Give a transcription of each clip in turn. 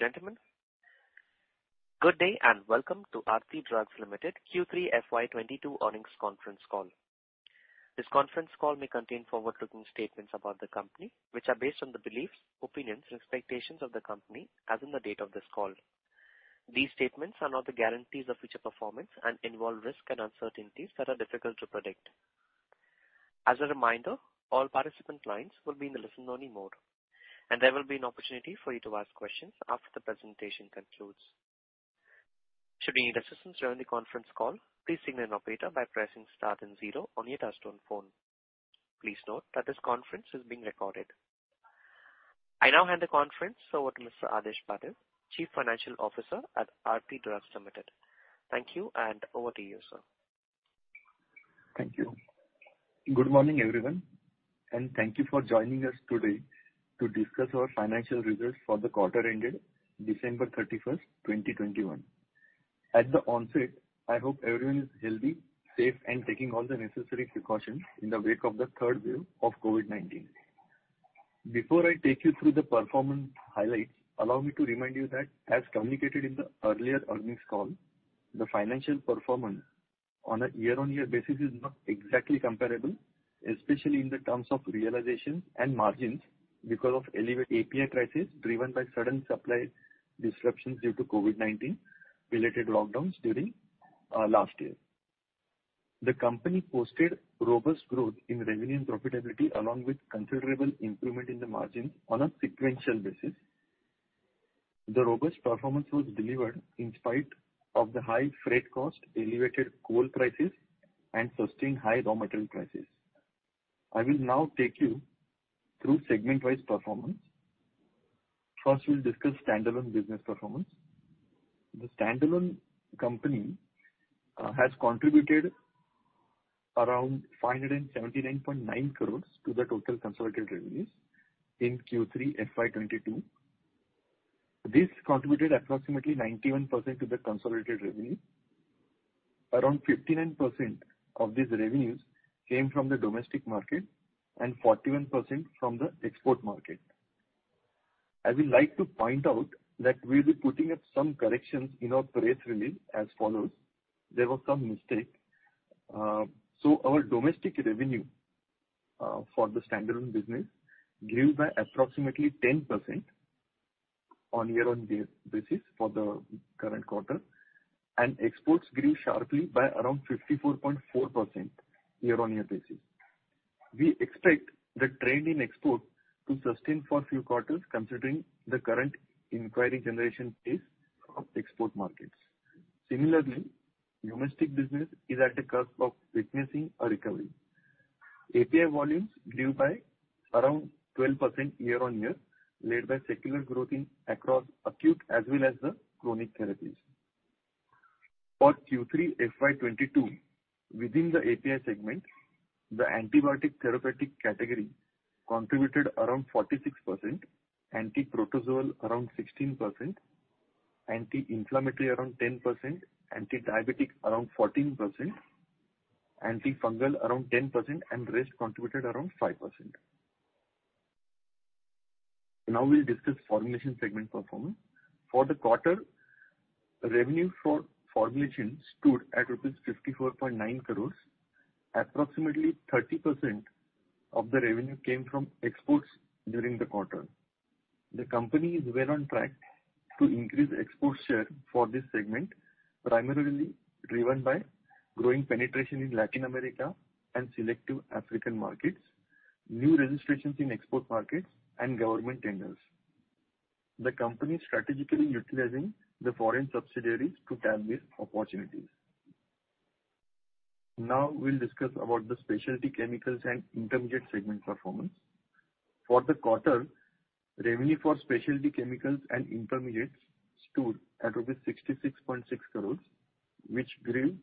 Ladies and gentlemen, good day and welcome to Aarti Drugs Limited Q3 FY 2022 earnings conference call. This conference call may contain forward-looking statements about the company, which are based on the beliefs, opinions and expectations of the company as on the date of this call. These statements are not the guarantees of future performance and involve risks and uncertainties that are difficult to predict. As a reminder, all participant lines will be in the listen-only mode, and there will be an opportunity for you to ask questions after the presentation concludes. Should you need assistance during the conference call, please signal an operator by pressing Star then zero on your touch-tone phone. Please note that this conference is being recorded. I now hand the conference over to Mr. Adhish Patil, Chief Financial Officer at Aarti Drugs Limited. Thank you, and over to you, sir. Thank you. Good morning, everyone, and thank you for joining us today to discuss our financial results for the quarter ending December 31st, 2021. At the onset, I hope everyone is healthy, safe and taking all the necessary precautions in the wake of the third wave of COVID-19. Before I take you through the performance highlights, allow me to remind you that as communicated in the earlier earnings call, the financial performance on a year-on-year basis is not exactly comparable, especially in the terms of realization and margins because of elevated API prices driven by sudden supply disruptions due to COVID-19 related lockdowns during last year. The company posted robust growth in revenue and profitability, along with considerable improvement in the margins on a sequential basis. The robust performance was delivered in spite of the high freight cost, elevated coal prices and sustained high raw material prices. I will now take you through segment-wise performance. First, we'll discuss standalone business performance. The standalone company has contributed around 579.9 crore to the total consolidated revenues in Q3 FY 2022. This contributed approximately 91% to the consolidated revenue. Around 59% of these revenues came from the domestic market and 41% from the export market. I would like to point out that we'll be putting up some corrections in our press release as follows. There was some mistake. Our domestic revenue for the standalone business grew by approximately 10% on year-over-year basis for the current quarter and exports grew sharply by around 54.4% year-over-year basis. We expect the trend in export to sustain for a few quarters considering the current inquiry generation pace of export markets. Similarly, domestic business is at the cusp of witnessing a recovery. API volumes grew by around 12% year-on-year, led by secular growth in across acute as well as the chronic therapies. For Q3 FY 2022, within the API segment, the antibiotic therapeutic category contributed around 46%, antiprotozoal around 16%, anti-inflammatory around 10%, antidiabetic around 14%, antifungal around 10%, and rest contributed around 5%. Now we'll discuss formulation segment performance. For the quarter, revenue for formulations stood at 54.9 crores rupees. Approximately 30% of the revenue came from exports during the quarter. The company is well on track to increase export share for this segment, primarily driven by growing penetration in Latin America and selective African markets, new registrations in export markets and government tenders. The company is strategically utilizing the foreign subsidiaries to tap these opportunities. We'll discuss the specialty chemicals and intermediate segment performance. For the quarter, revenue for specialty chemicals and intermediates stood at INR 66.6 crore, which grew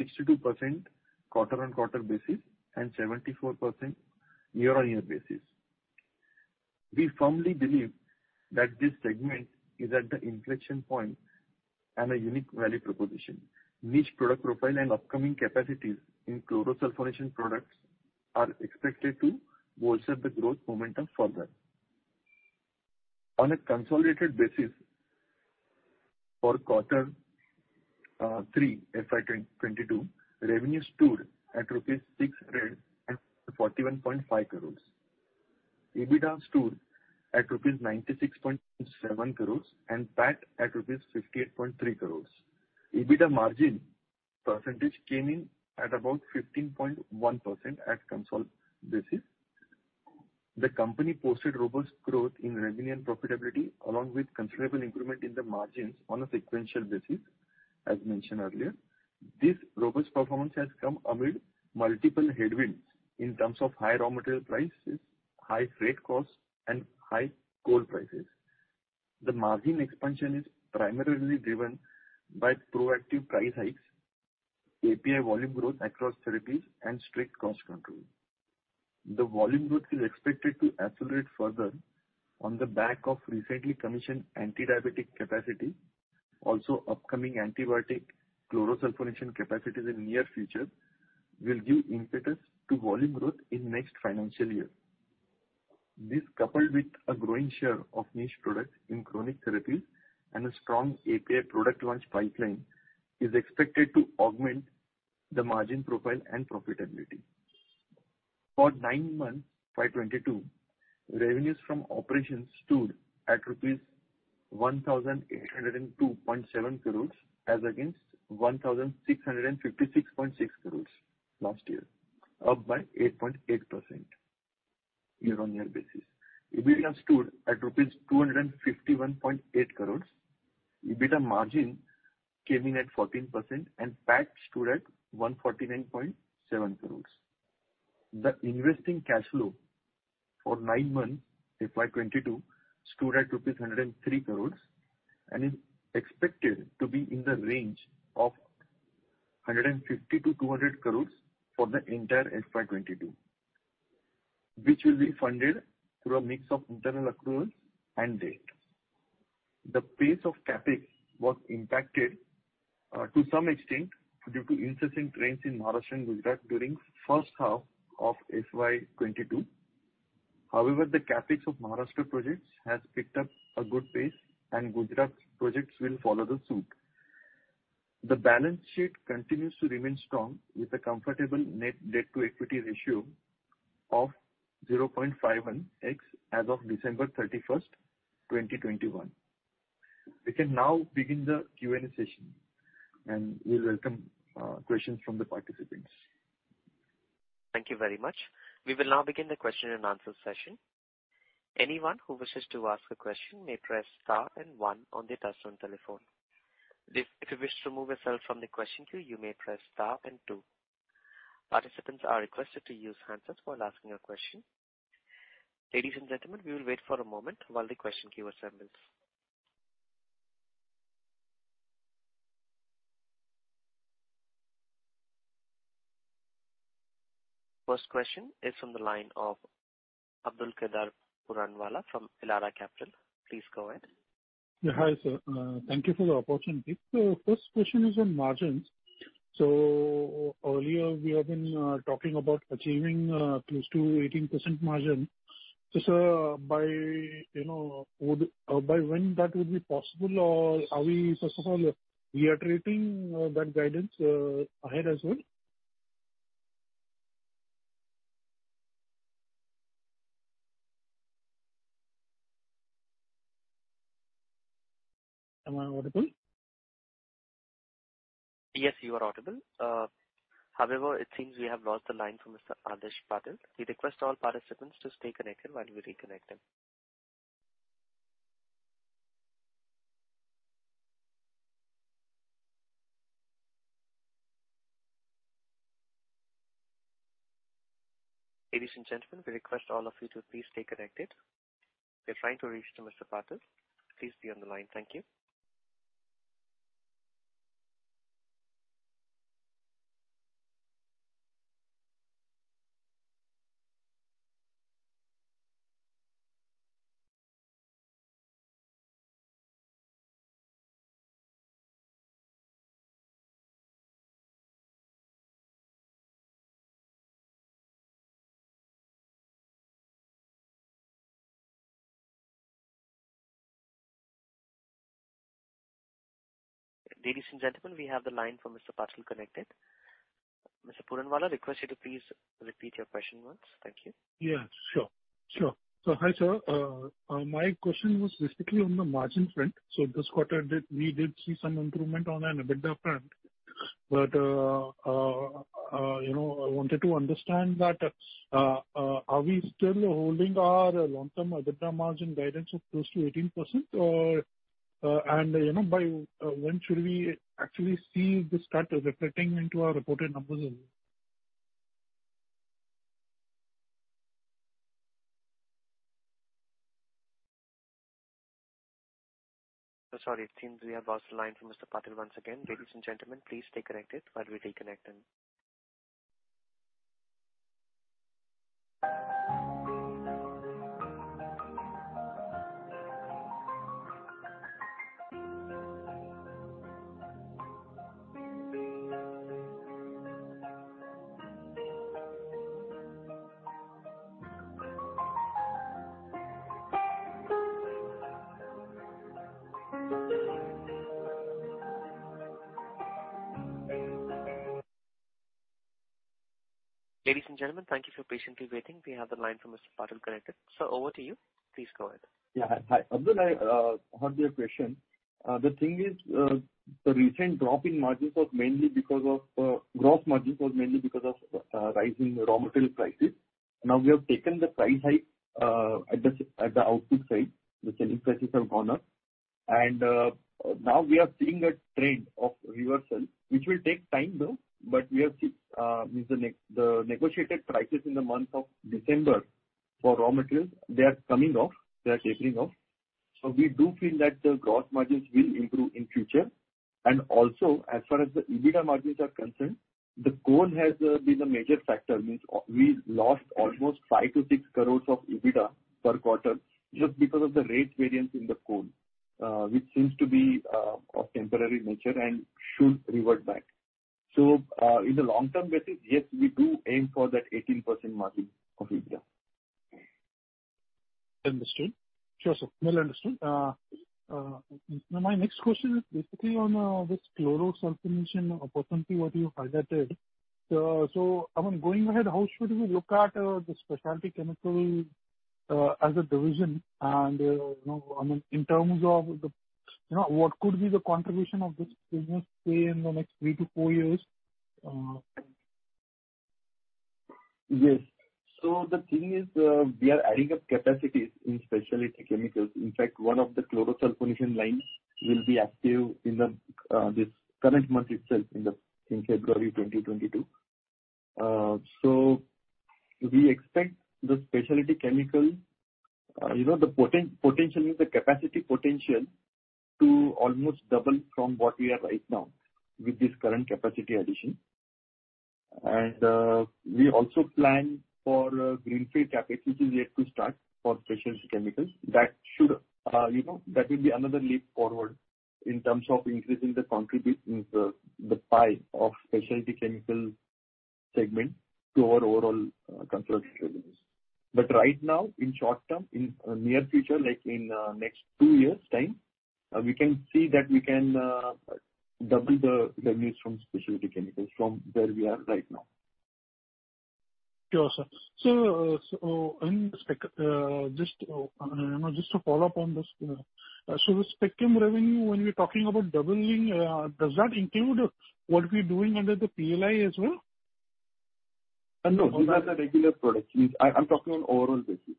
62% quarter-over-quarter and 74% year-on-year. We firmly believe that this segment is at the inflection point and a unique value proposition. Niche product profile and upcoming capacities in chlorosulfonation products are expected to bolster the growth momentum further. On a consolidated basis for Q3 FY 2022, revenue stood at rupees 641.5 crore. EBITDA stood at rupees 96.7 crore and PAT at rupees 58.3 crore. EBITDA margin came in at about 15.1% on a consolidated basis. The company posted robust growth in revenue and profitability, along with considerable improvement in the margins on a sequential basis, as mentioned earlier. This robust performance has come amid multiple headwinds in terms of high raw material prices, high freight costs and high coal prices. The margin expansion is primarily driven by proactive price hikes, API volume growth across therapies and strict cost control. The volume growth is expected to accelerate further on the back of recently commissioned antidiabetic capacity. Also, upcoming antibiotic chlorosulfonation capacities in near future will give impetus to volume growth in next financial year. This, coupled with a growing share of niche products in chronic therapies and a strong API product launch pipeline, is expected to augment the margin profile and profitability. For nine months FY 2022, revenues from operations stood at rupees 1,802.7 crores as against 1,656.6 crores last year, up by 8.8% year-on-year basis. EBITDA stood at rupees 251.8 crores. EBITDA margin came in at 14% and PAT stood at 149.7 crores. The investing cash flow for nine months, FY 2022, stood at rupees 103 crores and is expected to be in the range of 150 crores-200 crores for the entire FY 2022, which will be funded through a mix of internal accruals and debt. The pace of CapEx was impacted to some extent due to incessant rains in Maharashtra and Gujarat during first half of FY 2022. However, the CapEx of Maharashtra projects has picked up a good pace, and Gujarat projects will follow suit. The balance sheet continues to remain strong, with a comfortable net debt-to-equity ratio of 0.51x as of December 31st, 2021. We can now begin the Q&A session, and we welcome questions from the participants. Thank you very much. We will now begin the question-and-answer session. Anyone who wishes to ask a question may press star and one on their touchtone telephone. If you wish to remove yourself from the question queue, you may press star and two. Participants are requested to use handsets while asking a question. Ladies and gentlemen, we will wait for a moment while the question queue assembles. First question is from the line of Abdulkader Puranwala from Elara Capital. Please go ahead. Yeah, hi sir. Thank you for the opportunity. First question is on margins. Earlier we have been talking about achieving close to 18% margin. Sir, by when that would be possible or are we, first of all, reiterating that guidance ahead as well? Am I audible? Yes, you are audible. However, it seems we have lost the line from Mr. Adhish Patil. We request all participants to stay connected while we reconnect him. Ladies and gentlemen, we request all of you to please stay connected. We are trying to reach to Mr. Patil. Please be on the line. Thank you. Ladies and gentlemen, we have the line from Mr. Patil connected. Mr. Puranwala, request you to please repeat your question once. Thank you. Yeah, sure. Hi, sir. My question was basically on the margin front. This quarter, we did see some improvement on an EBITDA front, but you know, I wanted to understand that, are we still holding our long-term EBITDA margin guidance of close to 18% or and, you know, by when should we actually see this start reflecting into our reported numbers? Sorry, it seems we have lost the line from Mr. Patil once again. Ladies and gentlemen, please stay connected while we reconnect him. Ladies and gentlemen, thank you for patiently waiting. We have the line from Mr. Patil connected. Sir, over to you. Please go ahead. Yeah. Hi. Abdul, I heard your question. The thing is, the recent drop in gross margins was mainly because of rising raw material prices. Now we have taken the price hike at the output side, which I think prices have gone up. Now we are seeing a trend of reversal, which will take time, though, but we are seeing the negotiated prices in the month of December for raw materials, they are coming off, they are tapering off. We do feel that the gross margins will improve in future. Also, as far as the EBITDA margins are concerned, the coal has been a major factor. We lost almost 5 crores-6 crores of EBITDA per quarter just because of the rate variance in the coal, which seems to be of temporary nature and should revert back. In the long term basis, yes, we do aim for that 18% margin of EBITDA. Understood. Sure, sir. Well understood. My next question is basically on this chlorosulfonation opportunity what you highlighted. I mean, going ahead, how should we look at the specialty chemical as a division and, you know, I mean, in terms of the. You know, what could be the contribution of this business, say, in the next three to four years? Yes. The thing is, we are adding up capacities in specialty chemicals. In fact, one of the chlorosulfonation lines will be active in this current month itself, in February 2022. We expect the specialty chemical, you know, the potential, means the capacity potential to almost double from what we have right now with this current capacity addition. We also plan for greenfield capacity which is yet to start for specialty chemicals. That should, you know, that will be another leap forward in terms of increasing the the pie of specialty chemical segment to our overall, consolidated revenues. Right now, in short-term, in near future, like in next two years' time, we can see that we can double the revenues from specialty chemicals from where we are right now. Sure, sir. You know, just to follow up on this. The spec chem revenue when we are talking about doubling, does that include what we are doing under the PLI as well? No. Those are the regular products. I'm talking on overall basis.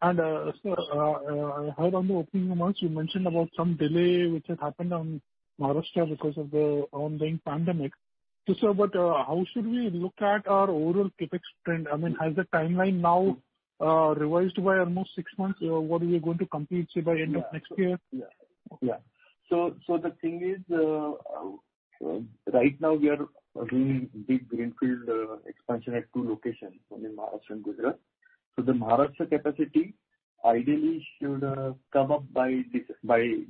Sir, I heard in the opening remarks you mentioned about some delay which has happened in Maharashtra because of the ongoing pandemic. How should we look at our overall CapEx trend? I mean, has the timeline now revised by almost six months? What are we going to complete, say, by end of next year? Yeah. The thing is, right now we are doing big greenfield expansion at two locations, one in Maharashtra and Gujarat. The Maharashtra capacity ideally should come up by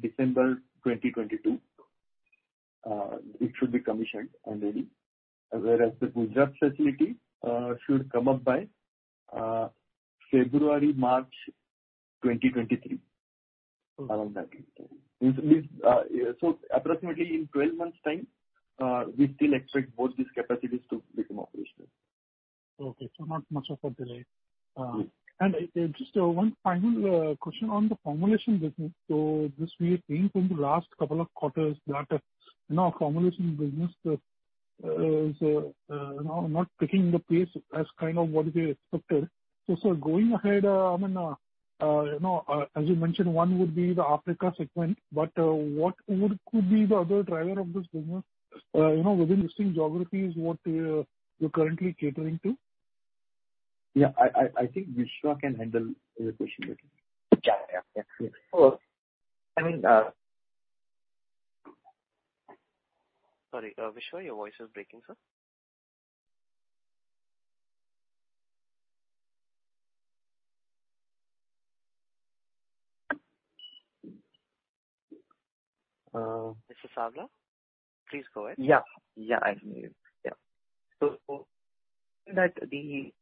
December 2022. It should be commissioned and ready. Whereas the Gujarat facility should come up by February/March 2023. Around that time. Approximately in 12 months' time, we still expect both these capacities to become operational. Okay. Not much of a delay. No. Just one final question on the formulation business. This we have seen from the last couple of quarters that, you know, formulation business is, you know, not picking up the pace as kind of what we expected. Going ahead, I mean, you know, as you mentioned one would be the Africa segment, but what would be the other driver of this business, you know, within existing geographies, what you're currently catering to? Yeah. I think Vishwa can handle your question better. Yeah, yeah. Yeah. Sure. I mean... Sorry, Vishwa, your voice is breaking, sir. Uh- Mr. Savla, please go ahead. Yeah. Yeah. I can hear you. Yeah. Mr. Savla, your voice is breaking. I request you to please. Can you hear me now? Yeah. This is better. Please go ahead. Growth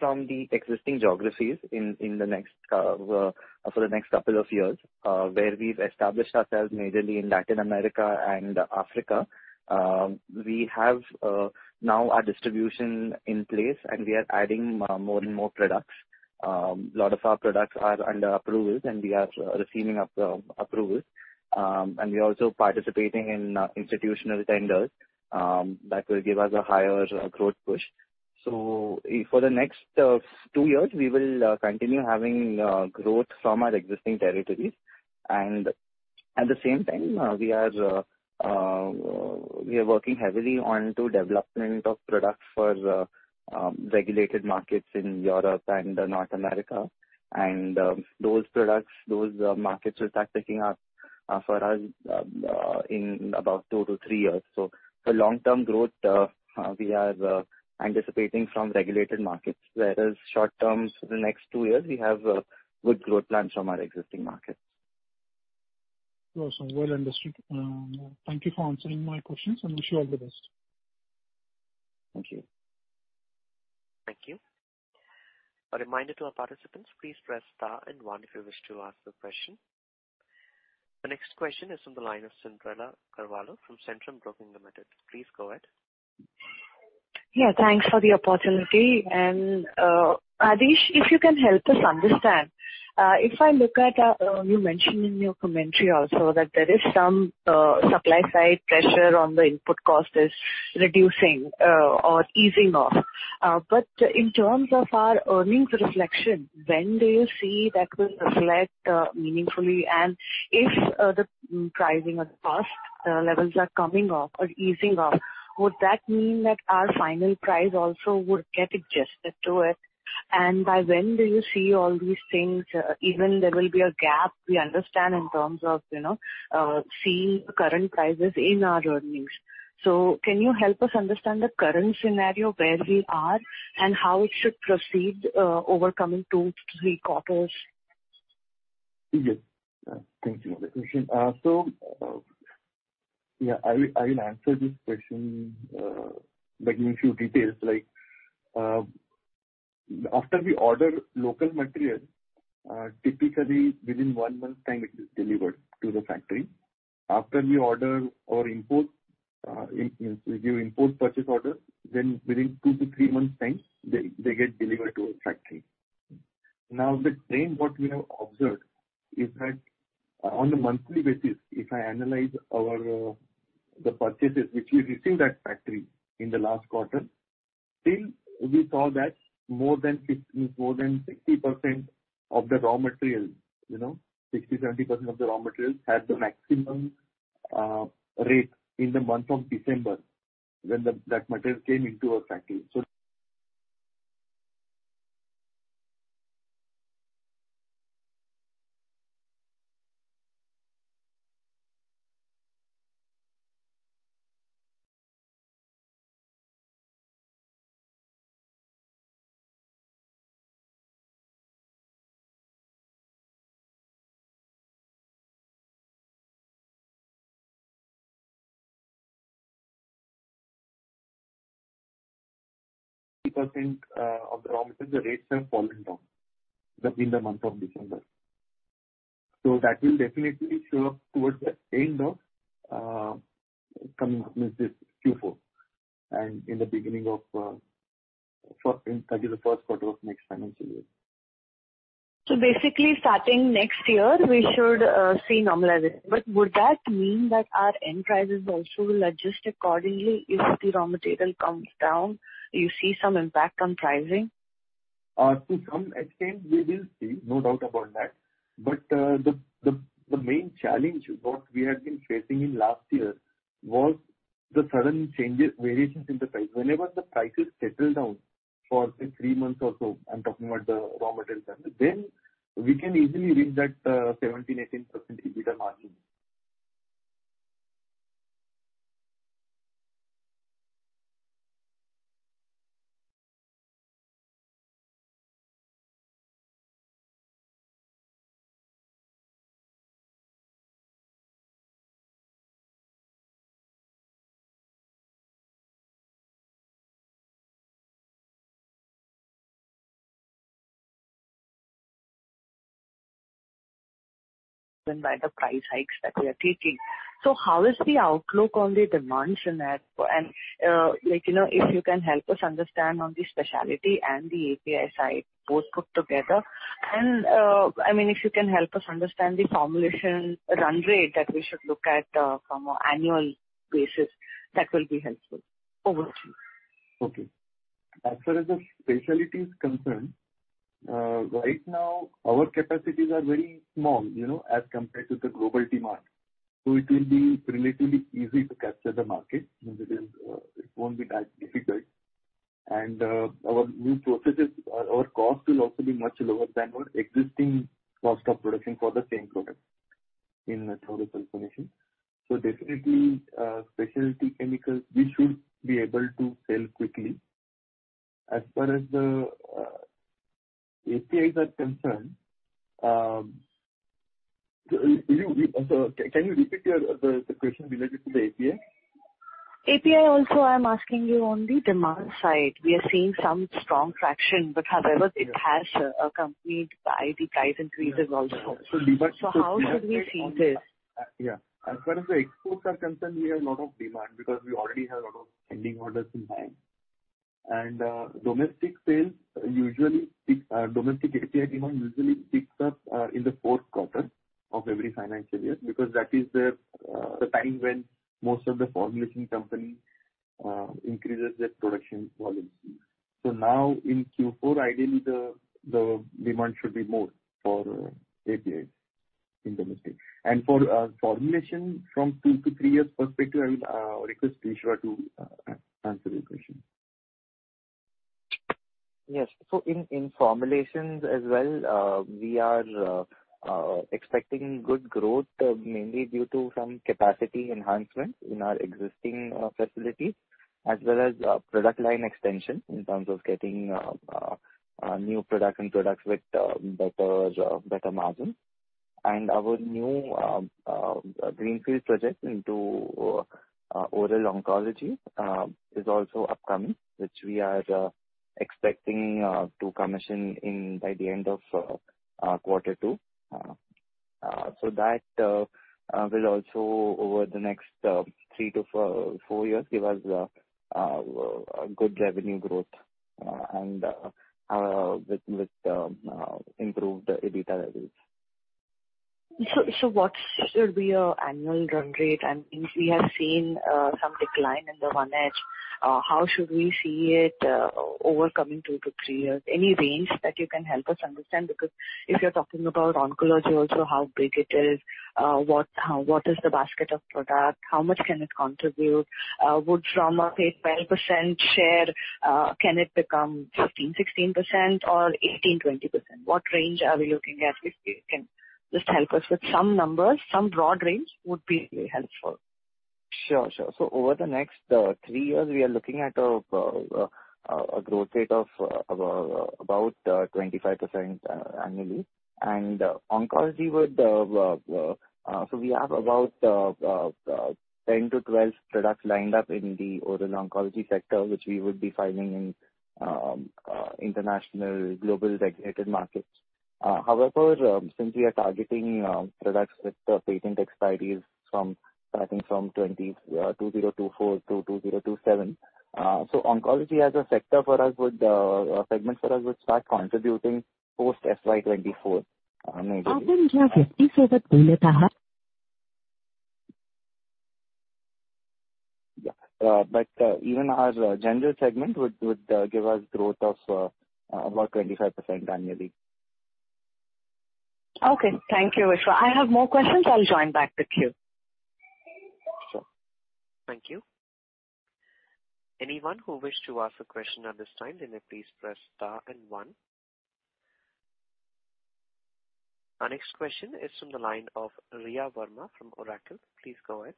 from the existing geographies in the next couple of years, where we've established ourselves majorly in Latin America and Africa. We now have a distribution in place, and we are adding more and more products. A lot of our products are under approvals, and we are receiving approvals. We are also participating in institutional tenders that will give us a higher growth push. For the next two years we will continue having growth from our existing territories. At the same time, we are working heavily on the development of products for regulated markets in Europe and North America. Those products, those markets will start picking up for us in about two to three years. For long-term growth, we are anticipating from regulated markets. Whereas short-term, so the next two years, we have good growth plans from our existing markets. Sure, sir. Well understood. Thank you for answering my questions, and wish you all the best. Thank you. Thank you. A reminder to our participants, please press star and one if you wish to ask a question. The next question is from the line of Cyndrella Carvalho from Centrum Broking Limited. Please go ahead. Yeah. Thanks for the opportunity. Adhish, if you can help us understand, if I look at, you mentioned in your commentary also that there is some supply side pressure on the input cost is reducing or easing off. In terms of our earnings reflection, when do you see that will reflect meaningfully? If the pricing at past levels are coming off or easing off, would that mean that our final price also would get adjusted to it? By when do you see all these things, even there will be a gap, we understand, in terms of, you know, seeing current prices in our earnings. Can you help us understand the current scenario, where we are, and how it should proceed over coming two, three quarters? Yes. Thank you for the question. So, yeah, I will answer this question, like, in few details, like, after we order local material, typically within one month time it is delivered to the factory. After we order or import, we do import purchase order, then within two to three months time they get delivered to our factory. Now, the trend what we have observed is that on a monthly basis, if I analyze our, the purchases which we received at factory in the last quarter, still we saw that more than 60% of the raw material, you know, 60%-70% of the raw materials had the maximum rate in the month of December when that material came into our factory. Percent of the raw materials, the rates have fallen down in the month of December. That will definitely show up towards the end of coming up with this Q4 and in the beginning of, so that is the first quarter of next financial year. Basically starting next year we should see normalization. Would that mean that our end prices also will adjust accordingly if the raw material comes down? Do you see some impact on pricing? To some extent we will see, no doubt about that. The main challenge what we have been facing in last year was the sudden changes, variations in the price. Whenever the prices settle down for say three months or so, I'm talking about the raw material prices, then we can easily reach that 17%-18% EBITDA margin. driven by the price hikes that we are taking. How is the outlook on the demand scenario? Like, you know, if you can help us understand on the specialty and the API side both put together. I mean, if you can help us understand the formulation run rate that we should look at, from an annual basis, that will be helpful. Over to you. Okay. As far as the specialty is concerned, right now our capacities are very small, you know, as compared to the global demand. It will be relatively easy to capture the market. It is, it won't be that difficult. Our new processes, our cost will also be much lower than our existing cost of production for the same product in total formulation. Definitely, specialty chemicals we should be able to sell quickly. As far as the APIs are concerned, you also. Can you repeat the question related to the API? API also I'm asking you on the demand side. We are seeing some strong traction, but however it has accompanied by the price increases also. So demand- How should we see this? As far as the exports are concerned, we have a lot of demand because we already have a lot of pending orders in hand. Domestic API demand usually picks up in the fourth quarter of every financial year because that is the time when most of the formulation company increases their production volumes. Now in Q4, ideally the demand should be more for APIs in domestic. For formulation from two to three years perspective, I will request Vishwa Savla to answer your question. Yes. In formulations as well, we are expecting good growth, mainly due to some capacity enhancement in our existing facilities as well as product line extension in terms of getting new products and products with better margins. Our new greenfield project into oral oncology is also upcoming, which we are expecting to commission by the end of quarter two. That will also over the next three to four years give us good revenue growth and with improved EBITDA levels. What should be your annual run rate? Since we have seen some decline in the one edge, how should we see it over the coming two to three years? Any range that you can help us understand, because if you're talking about oncology also, how big it is, what is the basket of product? How much can it contribute? Would trauma take 12% share? Can it become 15-16% or 18-20%? What range are we looking at? If you can just help us with some numbers, some broad range would be very helpful. Sure, sure. Over the next three years, we are looking at a growth rate of about 25% annually. We have about 10-12 products lined up in the oral oncology sector, which we would be filing in international global regulated markets. However, since we are targeting products with patent expiries from, I think, 2024 to 2027. Oncology as a sector for us, a segment for us, would start contributing post FY 2024. Even our general segment would give us growth of about 25% annually. Okay. Thank you, Vishwa. I have more questions. I'll join back the queue. Sure. Thank you. Anyone who wishes to ask a question at this time, then please press Star and one. Our next question is from the line of Riya Verma from Oracle. Please go ahead.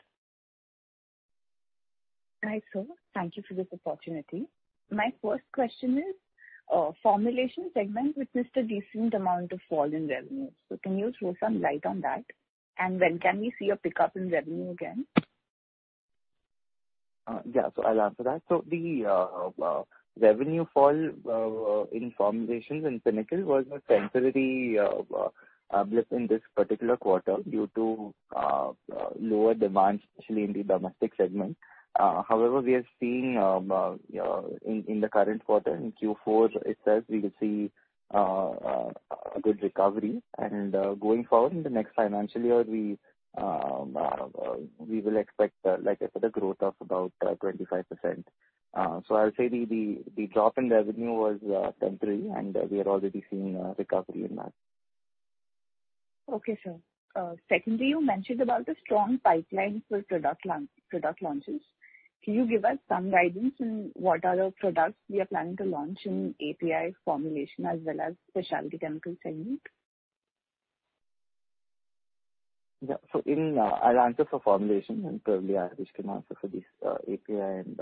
Hi, sir. Thank you for this opportunity. My first question is, formulation segment witnessed a decent amount of fall in revenue. So can you throw some light on that? When can we see a pickup in revenue again? Yeah. I'll answer that. The revenue fall in formulations in Pinnacle was a temporary blip in this particular quarter due to lower demand, especially in the domestic segment. However, we are seeing in the current quarter, in Q4 itself, we could see a good recovery. Going forward in the next financial year, we will expect, like I said, a growth of about 25%. I'll say the drop in revenue was temporary, and we are already seeing a recovery in that. Okay, sir. Secondly, you mentioned about the strong pipeline for product launches. Can you give us some guidance in what are the products we are planning to launch in API formulation as well as specialty chemical segment? Yeah. I'll answer for formulation and probably Harsh can answer for this, API and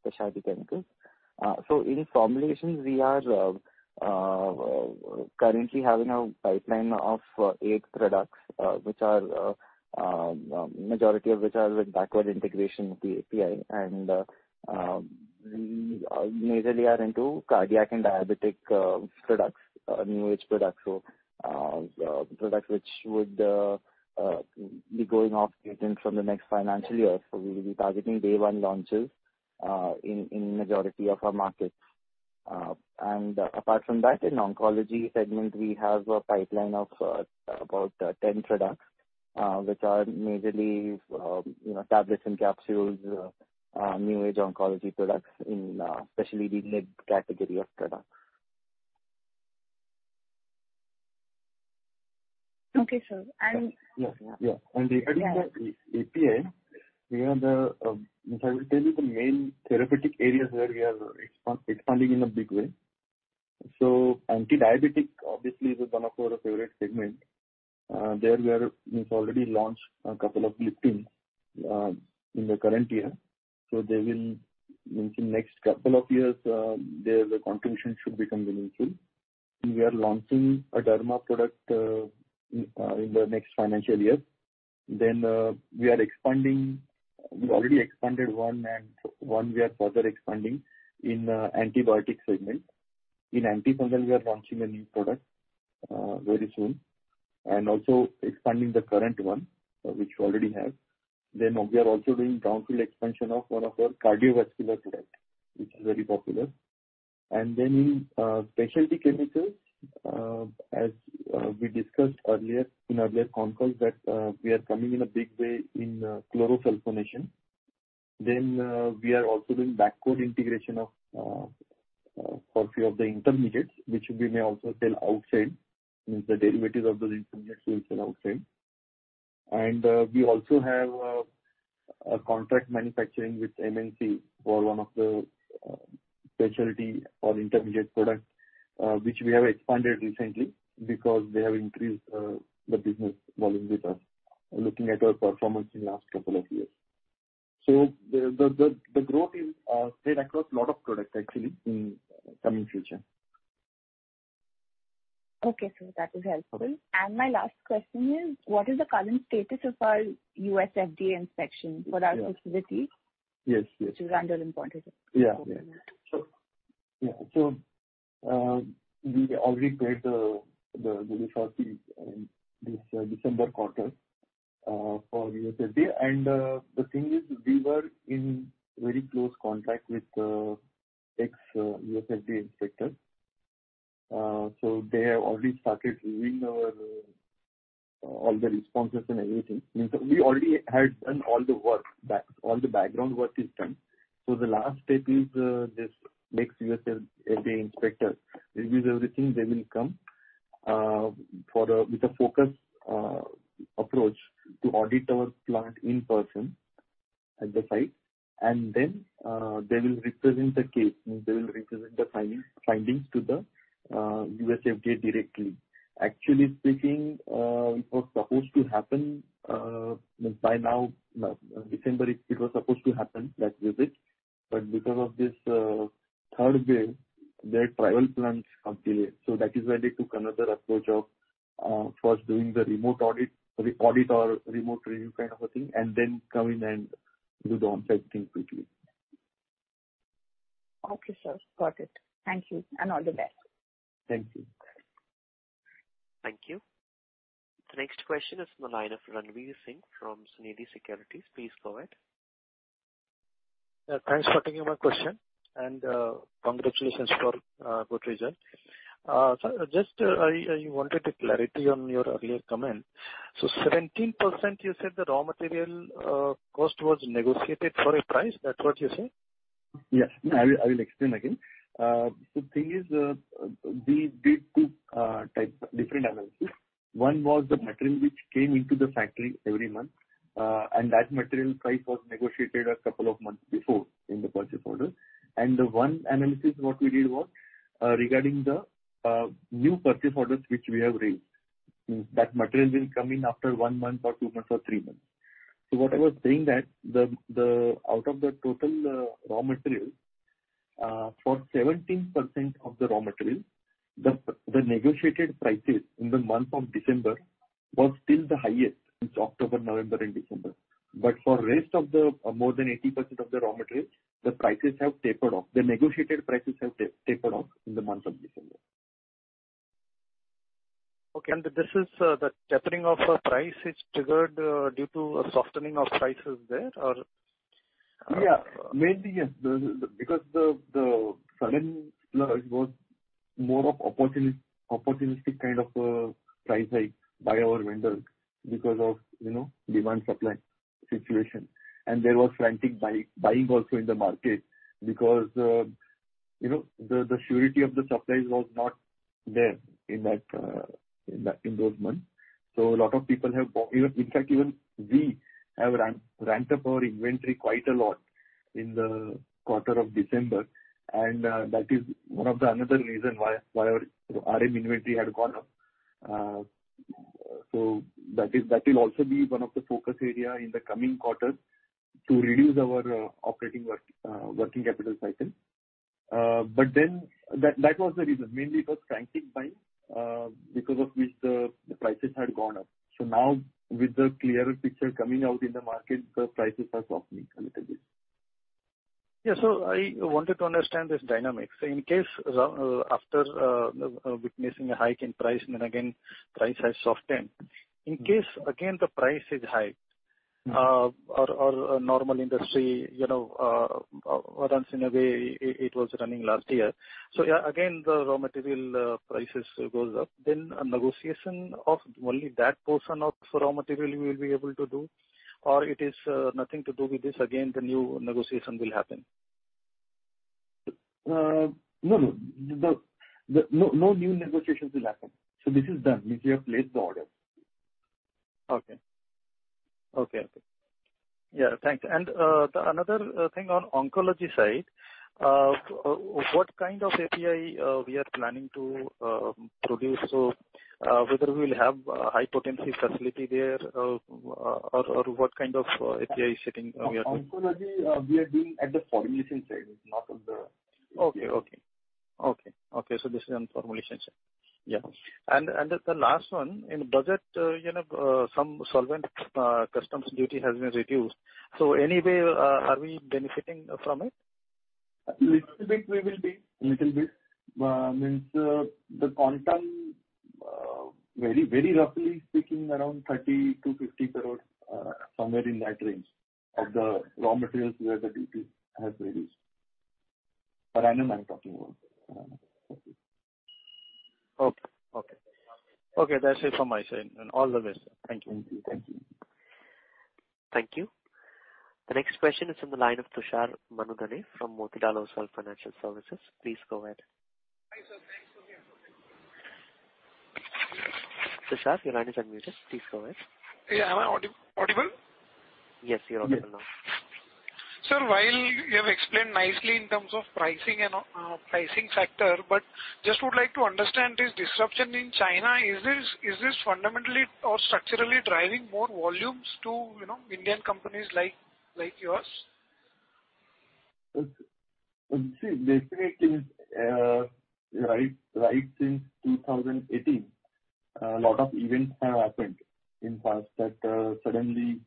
specialty chemicals. In formulations, we are currently having a pipeline of eight products, majority of which are with backward integration with the API. Majorly are into cardiac and diabetic products, new age products. Products which would be going off patent from the next financial year. We will be targeting day one launches in majority of our markets. Apart from that, in oncology segment, we have a pipeline of about 10 products, which are majorly you know tablets and capsules, new age oncology products in especially the mid category of products. Okay, sir. Regarding the API, if I will tell you the main therapeutic areas where we are expanding in a big way. Antidiabetic obviously is one of our favorite segment. There, we already launched a couple of listings in the current year. They will, in the next couple of years, their contribution should become meaningful. We are launching a derma product in the next financial year. We already expanded one and one we are further expanding in antibiotic segment. In antifungal, we are launching a new product very soon, and also expanding the current one which we already have. We are also doing brownfield expansion of one of our cardiovascular product, which is very popular. In specialty chemicals, as we discussed earlier in concalls that, we are coming in a big way in chlorosulfonation. We are also doing backward integration for few of the intermediates, which we may also sell outside, means the derivatives of those intermediates we will sell outside. We also have a contract manufacturing with MNC for one of the specialty or intermediate products, which we have expanded recently because they have increased the business volume with us, looking at our performance in last couple of years. The growth is spread across lot of products actually in coming future. Okay, sir, that is helpful. My last question is: What is the current status of our USFDA inspection for our facility? Yes, yes. Which is under important. We already paid the resources in this December quarter for USFDA. The thing is we were in very close contact with ex-USFDA inspector. They have already started reviewing our all the responses and everything. Means that we already had done all the work. All the background work is done. The last step is this next USFDA inspector reviews everything. They will come for a with a focused approach to audit our plant in person at the site. They will represent the case, means they will represent the findings to the USFDA directly. Actually speaking, it was supposed to happen means by now, by December it was supposed to happen, that visit, but because of this third wave, their travel plans got delayed. That is why they took another approach of first doing the remote audit, re-audit or remote review kind of a thing, and then come in and do the on-site thing quickly. Okay, sir. Got it. Thank you, and all the best. Thank you. Thank you. The next question is from the line of Ranvir Singh from Sunidhi Securities. Please go ahead. Yeah, thanks for taking my question and congratulations for good result. Just, I wanted a clarity on your earlier comment. 17% you said the raw material cost was negotiated for a price. That's what you say? Yes. No, I will explain again. The thing is, we did two different types analysis. One was the material which came into the factory every month, and that material price was negotiated a couple of months before in the purchase order. The one analysis what we did was regarding the new purchase orders which we have raised. Means that material will come in after one month or two months or three months. What I was saying that out of the total raw material, for 17% of the raw material, the negotiated prices in the month of December was still the highest since October, November and December. For the rest of more than 80% of the raw material, the prices have tapered off. The negotiated prices have tapered off in the month of December. Okay. This is the tapering off of price is triggered due to a softening of prices there or. Yeah. Maybe, yes. Because the sudden surge was more of an opportunistic kind of price hike by our vendor because of, you know, demand-supply situation. There was frantic buying also in the market because, you know, the surety of the supplies was not there in that, in those months. A lot of people have bought. In fact, even we have ramped up our inventory quite a lot in the quarter of December, and that is another reason why our inventory had gone up. That will also be one of the focus areas in the coming quarters to reduce our working capital cycle. That was the reason. Mainly it was frantic buying, because of which the prices had gone up. Now with the clearer picture coming out in the market, the prices are softening a little bit. I wanted to understand this dynamic. In case, after witnessing a hike in price and then again price has softened, in case again the price is hiked, or a normal industry, you know, runs in a way it was running last year. Yeah, again, the raw material prices goes up, then a negotiation of only that portion of raw material you will be able to do, or it is nothing to do with this, again the new negotiation will happen? No new negotiations will happen. This is done. It means we have placed the order. Okay. Yeah, thanks. Another thing on oncology side, what kind of API we are planning to produce? Whether we'll have high potency facility there, or what kind of API setting we are doing? Oncology, we are doing at the formulation side, not at the API. Okay. This is on formulation side. Yeah. The last one, in budget, you know, some solvent, customs duty has been reduced. Anyway, are we benefiting from it? I mean, the quantum very roughly speaking around 30 crore-50 crore somewhere in that range of the raw materials where the duty has reduced. I'm talking about paracetamol. Okay, that's it from my side. All the best. Thank you. Thank you. Thank you. The next question is from the line of Tushar Manudhane from Motilal Oswal Financial Services. Please go ahead. Tushar, your line is unmuted. Please go ahead. Yeah. Am I audible? Yes, you're audible now. Sir, while you have explained nicely in terms of pricing and pricing factor, but just would like to understand this disruption in China. Is this fundamentally or structurally driving more volumes to, you know, Indian companies like yours? See, basically, right since 2018, a lot of events have happened in past that suddenly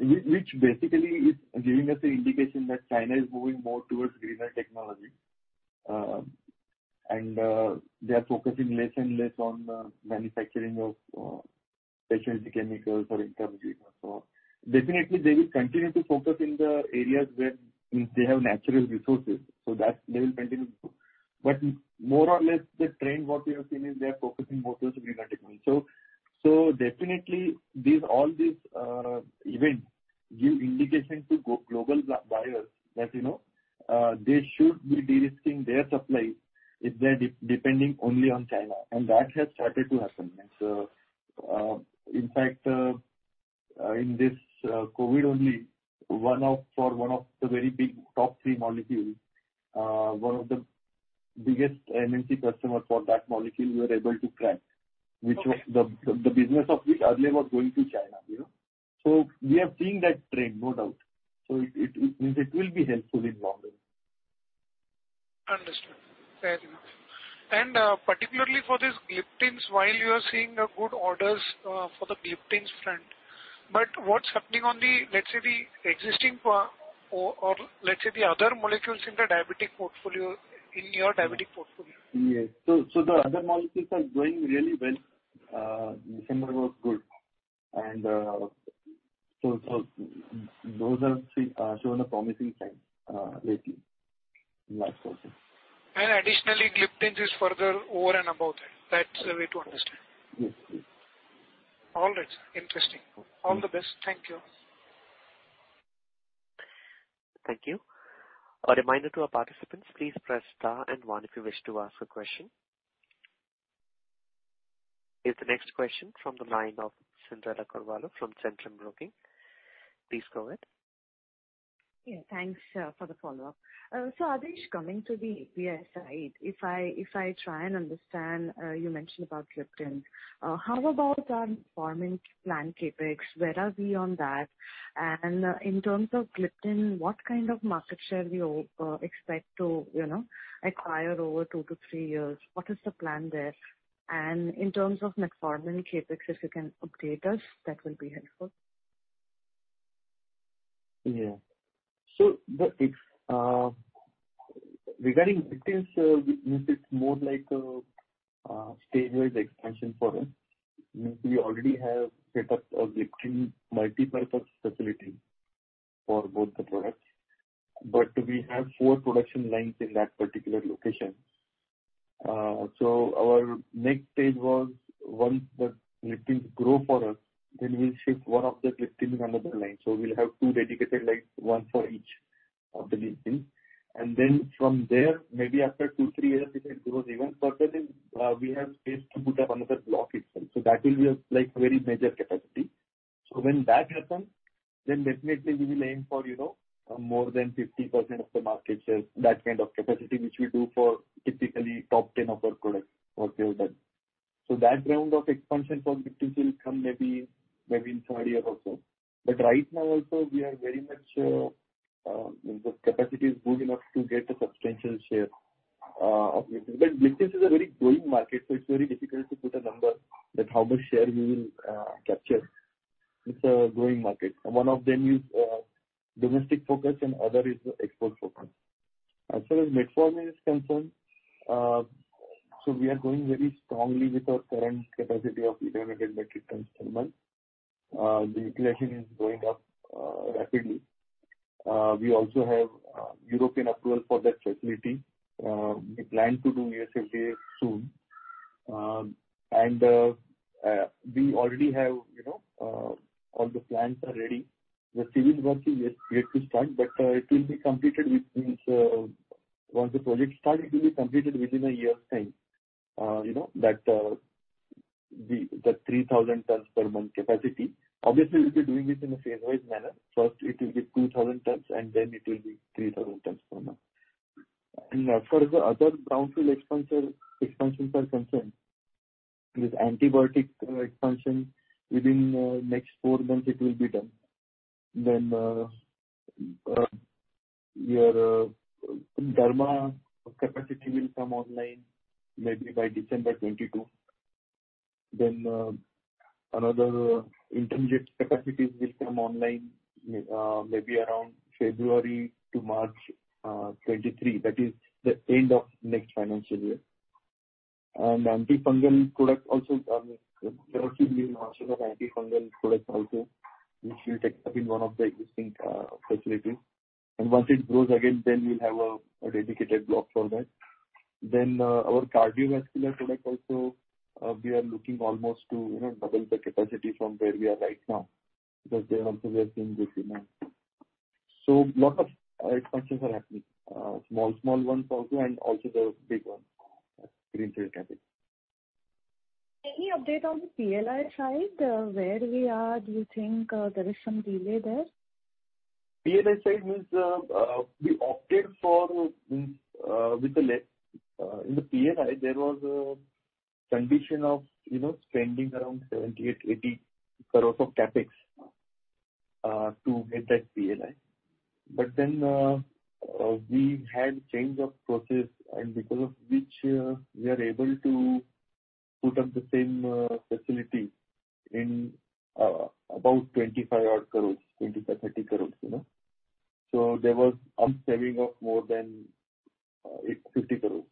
which basically is giving us the indication that China is moving more towards greener technology, and they are focusing less and less on the manufacturing of specialty chemicals or intermediates and so on. Definitely they will continue to focus in the areas where they have natural resources, so that they will continue to do. But more or less the trend what we have seen is they are focusing more towards generic ones. So definitely these, all these events give indication to go-global buyers that, you know, they should be de-risking their supply if they're depending only on China. That has started to happen. In fact, in this COVID only, one of. For one of the very big top three molecules, one of the biggest MNC customers for that molecule we were able to crack. Okay. Which was the business of which earlier was going to China, you know. We are seeing that trend, no doubt. It means it will be helpful in long run. Understood. Fair enough. Particularly for this gliptins, while you are seeing a good orders for the gliptins front, but what's happening on the, let's say, the existing, or let's say the other molecules in the diabetic portfolio, in your diabetic portfolio? Yes. The other molecules are doing really well. December was good. Those are showing a promising sign lately in that portion. Additionally, gliptins is further over and above that. That's the way to understand. Mm-hmm. All right. Interesting. All the best. Thank you. Thank you. A reminder to our participants, please press Star and one if you wish to ask a question. The next question is from the line of Cyndrella Carvalho from Centrum Broking. Please go ahead. Yeah, thanks for the follow-up. Adhish, coming to the API side, if I try and understand, you mentioned about gliptins. How about our metformin plant CapEx? Where are we on that? And in terms of gliptin, what kind of market share do you expect to, you know, acquire over two to three years? What is the plan there? And in terms of metformin CapEx, if you can update us, that will be helpful. Regarding gliptins, means it's more like a stage-wise expansion for us. Means we already have set up a gliptins multipurpose facility for both the products, but we have four production lines in that particular location. Our next stage was once the gliptins grow for us, then we'll shift one of the gliptins in another line. We'll have two dedicated lines, one for each of the gliptins. From there, maybe after two, three years, if it grows even further, then we have space to put up another block itself. That will be a, like, very major capacity. When that happens, then definitely we will aim for, you know, more than 50% of the market share, that kind of capacity, which we do for typically top 10 of our products once we have done. That round of expansion for gliptins will come maybe in third year or so. Right now also we are very much, the capacity is good enough to get a substantial share, of gliptins. Gliptins is a very growing market, so it's very difficult to put a number that how much share we will, capture. It's a growing market. One of them is, domestic focus and other is the export focus. As far as metformin is concerned, we are growing very strongly with our current capacity of 300 metric tons per month. The utilization is going up, rapidly. We also have, European approval for that facility. We plan to do USFDA soon. We already have, you know, all the plans are ready. The civil work is yet to start, but it will be completed within once the project starts, it will be completed within a year's time. You know, the 3,000 tons per month capacity. Obviously, we'll be doing this in a phase-wise manner. First it will be 2,000 tons, and then it will be 3,000 tons per month. As far as the other brownfield expansions are concerned, this antibiotic expansion within next four months it will be done. Your derma capacity will come online maybe by December 2022. Another intermediate capacities will come online maybe around February to March 2023. That is the end of next financial year. Antifungal product also, there also we are launching an antifungal product also, which we'll take up in one of the existing facilities. Once it grows again, we'll have a dedicated block for that. Our cardiovascular product also, we are looking almost to you know double the capacity from where we are right now because there also we are seeing good demand. Lots of expansions are happening. Small ones also and also the big one, that greenfield capacity. Any update on the PLI side? Where we are? Do you think there is some delay there? PLI side means we opted for in the PLI there was a condition of you know spending around 78-80 crore CapEx to get that PLI. We had change of process and because of which we are able to put up the same facility in about 25 odd crore, 20 crore-30 crore you know. There was saving of more than 50 crore.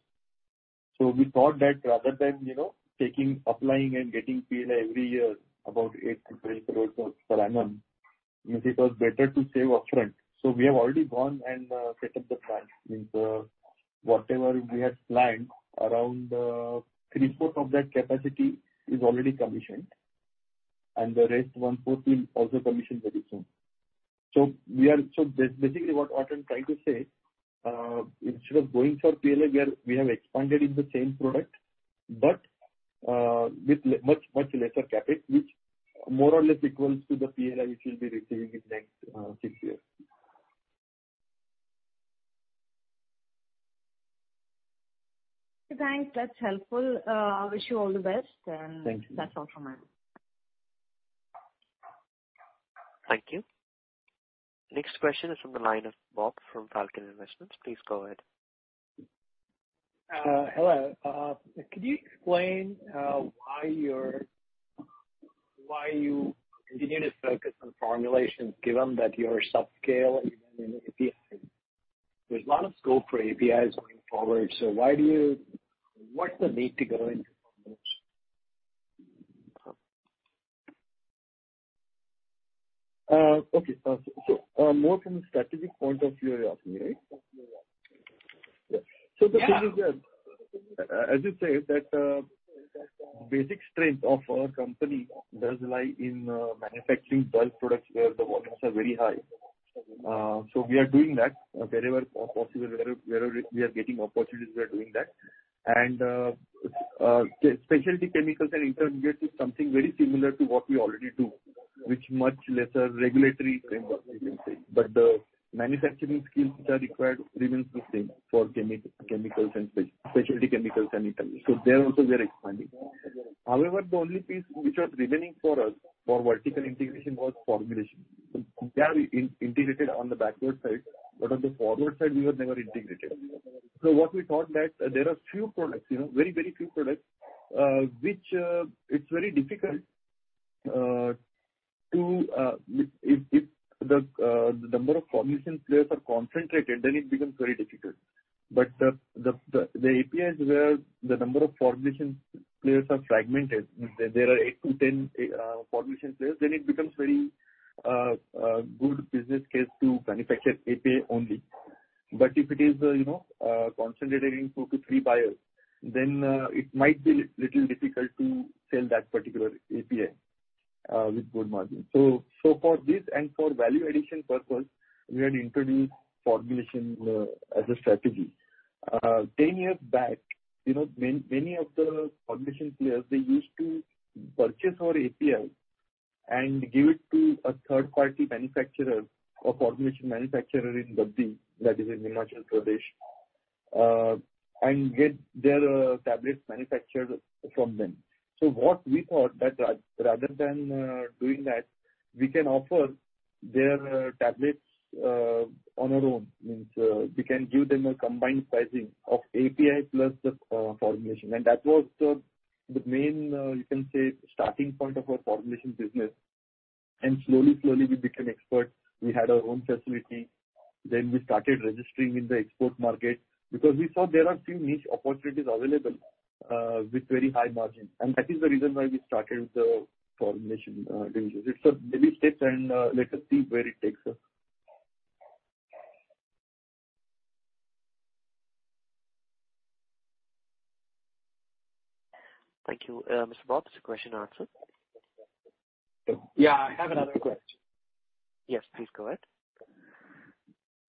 We thought that rather than you know taking applying and getting PLI every year about 8 crore-10 crore per annum it was better to save upfront. We have already gone and set up the plant. Means whatever we had planned around three quarter of that capacity is already commissioned and the rest one-fourth will also commission very soon. Basically what I'm trying to say, instead of going for PLI, we have expanded in the same product but with much, much lesser CapEx, which more or less equals to the PLI which we'll be receiving in next six years. Thanks. That's helpful. I wish you all the best. Thank you. That's all from me. Thank you. Next question is from the line of Bob from Falcon Investments. Please go ahead. Hello. Could you explain why you continue to focus on formulations given that you're subscale even in API? There's a lot of scope for APIs going forward. What's the need to go into formulations? Okay. More from strategic point of view you're asking me, right? Yeah. The thing is that, as you say that, basic strength of our company does lie in manufacturing bulk products where the volumes are very high. We are doing that wherever possible. Wherever we are getting opportunities, we are doing that. Specialty chemicals and intermediates is something very similar to what we already do, with much lesser regulatory framework you can say. The manufacturing skills which are required remains the same for chemicals and specialty chemicals and intermediates. There also we are expanding. The only piece which was remaining for us for vertical integration was formulation. There we integrated on the backward side, but on the forward side we were never integrated. What we thought that there are few products, you know, very, very few products, which it's very difficult if the number of formulation players are concentrated, then it becomes very difficult. But the APIs where the number of formulation players are fragmented, there are 8-10 formulation players, then it becomes very good business case to manufacture API only. But if it is, you know, concentrated in two to three buyers, then it might be little difficult to sell that particular API with good margin. For this and for value addition purpose, we had introduced formulation as a strategy. 10 years back, you know, many of the formulation players, they used to purchase our API and give it to a third-party manufacturer or formulation manufacturer in Baddi, that is in Himachal Pradesh, and get their tablets manufactured from them. What we thought that rather than doing that, we can offer their tablets on our own. I mean, we can give them a combined pricing of API plus the formulation. That was the main, you can say starting point of our formulation business. Slowly we became expert. We had our own facility. Then we started registering in the export market because we saw there are few niche opportunities available with very high margin. That is the reason why we started the formulation business. It's a baby step and let us see where it takes us. Thank you. Mr. Bob, is your question answered? Yeah, I have another question. Yes, please go ahead.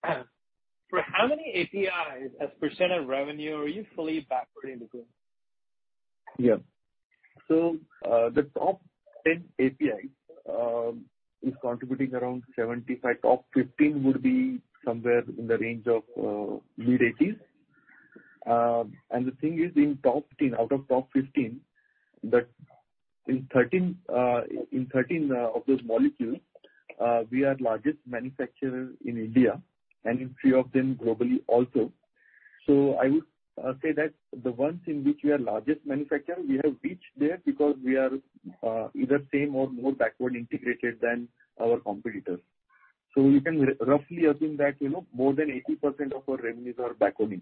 For how many APIs as percentage of revenue are you fully backward integrated? Yeah. The top 10 APIs is contributing around 75%. Top 15 would be somewhere in the range of mid-80s. The thing is in top 10, out of top 15, in 13 of those molecules, we are largest manufacturer in India and in three of them globally also. I would say that the ones in which we are largest manufacturer, we have reached there because we are either same or more backward integrated than our competitors. You can roughly assume that, you know, more than 80% of our revenues are backward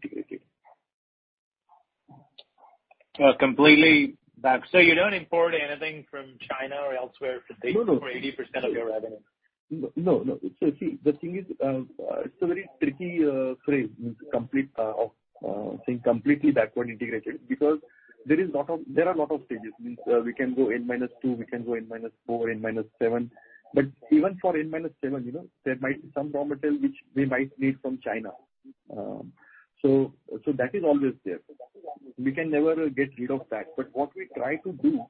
integrated. Completely back. You don't import anything from China or elsewhere for- No, no. For 80% of your revenue? No, no. See, the thing is, it's a very tricky phrase meaning completely backward integrated. Because there are lot of stages. We can go N -2, N -4, N -7. Even for N -7, you know, there might be some raw material which we might need from China. That is always there. We can never get rid of that. What we try to do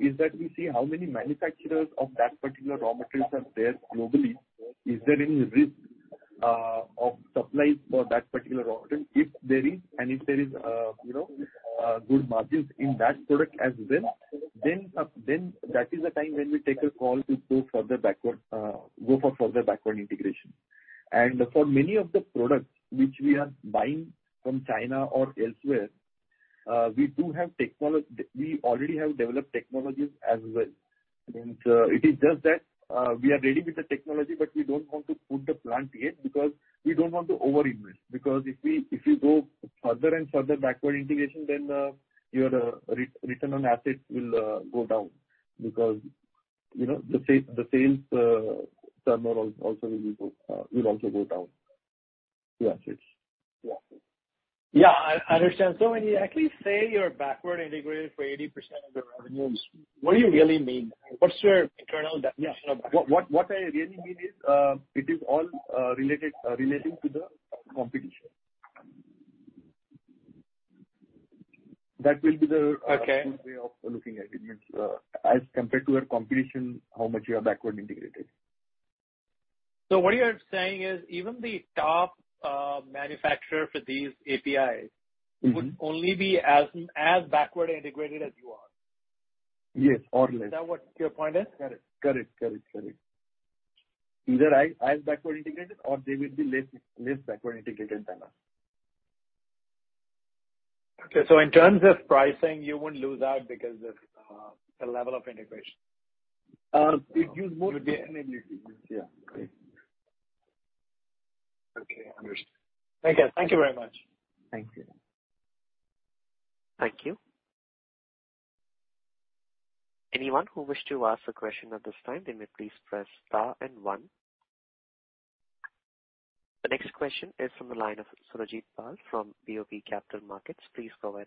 is that we see how many manufacturers of that particular raw materials are there globally. Is there any risk of supply for that particular raw material? If there is, you know, good margins in that product as well, then that is the time when we take a call to go further backward, go for further backward integration. For many of the products which we are buying from China or elsewhere, we already have developed technologies as well. It is just that, we are ready with the technology, but we don't want to put the plant yet because we don't want to over-invest. Because if you go further and further backward integration, your return on assets will go down because, you know, the sales turnover also will go down. The assets. Yeah. I understand. When you actually say you're backward integrated for 80% of the revenues- Mm-hmm. What do you really mean? What's your internal definition of backward? Yeah. What I really mean is, it is all relating to the competition. That will be the- Okay. Good way of looking at it. Means, as compared to your competition, how much you are backward integrated. What you are saying is even the top manufacturer for these APIs? Mm-hmm. Would only be as backward integrated as you are. Yes. Less. Is that what your point is? Got it. Correct. Either I is backward integrated or they will be less backward integrated than us. Okay. In terms of pricing, you wouldn't lose out because of the level of integration. Uh, it is more- Would be- Yeah. Okay. Understood. Thank you. Thank you very much. Thank you. Thank you. Anyone who wish to ask a question at this time, they may please press Star and one. The next question is from the line of Surajit Pal from BoB Capital Markets. Please go ahead.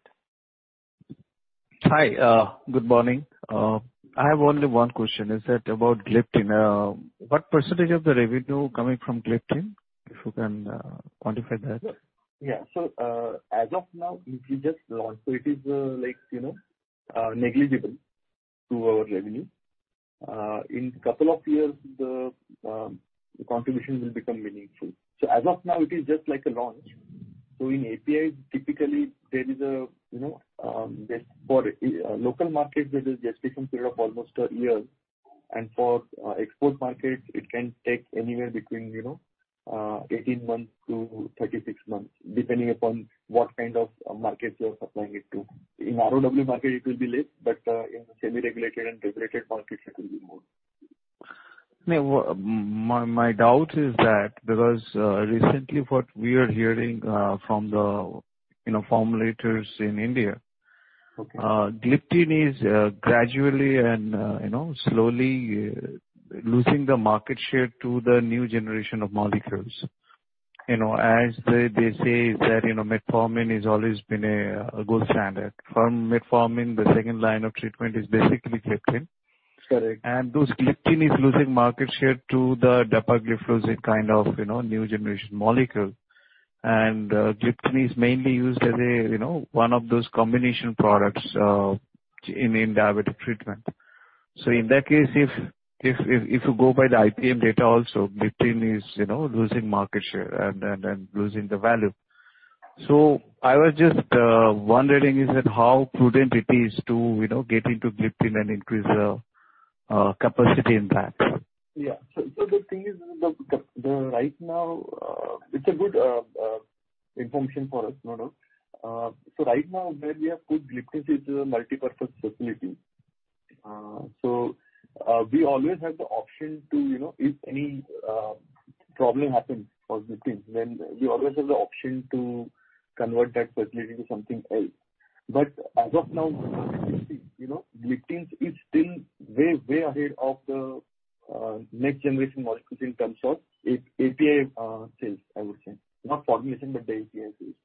Hi. Good morning. I have only one question, is that about gliptins? What percentage of the revenue coming from gliptins, if you can, quantify that? Yeah. As of now, we've just launched, so it is like, you know, negligible to our revenue. In a couple of years the contribution will become meaningful. As of now it is just like a launch. In API, typically, for local markets there is a gestation period of almost a year. For export markets, it can take anywhere between, you know, 18 months-36 months, depending upon what kind of markets you are supplying it to. In ROW market it will be less, but in semi-regulated and regulated markets it will be more. No. My doubt is that because recently what we are hearing from the, you know, formulators in India. Okay. Gliptins is gradually and you know slowly losing the market share to the new generation of molecules. You know, as they say that you know metformin has always been a gold standard. From metformin, the second line of treatment is basically gliptins. Correct. Those gliptins are losing market share to the dapagliflozin kind of, you know, new generation molecule. Gliptins are mainly used as a, you know, one of those combination products in diabetic treatment. In that case if you go by the IPM data also, gliptins are, you know, losing market share and losing the value. I was just wondering, is that how prudent it is to, you know, get into gliptins and increase capacity in that? Right now, it's good information for us, no doubt. Right now where we have put gliptins, it's a multipurpose facility. We always have the option to, you know, if any problem happens for gliptins, then we always have the option to convert that facility to something else. As of now, you know, gliptins is still way ahead of the next generation molecules in terms of API sales, I would say. Not formulation, but the API sales.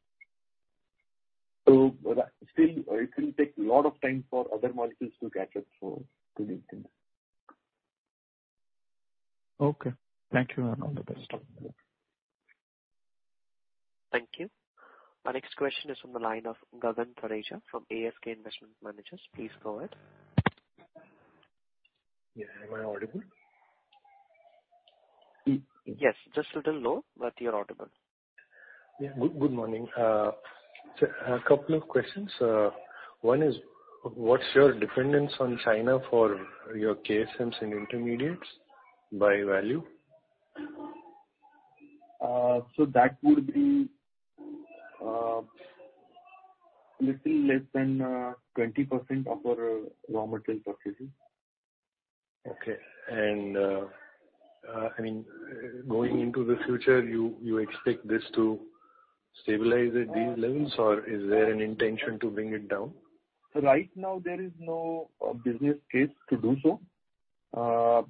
That still, it will take lot of time for other molecules to catch up to gliptins. Okay. Thank you and all the best. Thank you. Our next question is from the line of Gagan Parekh from ASK Investment Managers. Please go ahead. Yeah. Am I audible? Yes. Just a little low, but you're audible. Good morning. A couple of questions. One is what's your dependence on China for your KSMs and intermediates by value? That would be a little less than 20% of our raw material purchases. Okay. I mean, going into the future, you expect this to stabilize at these levels or is there an intention to bring it down? Right now there is no business case to do so. There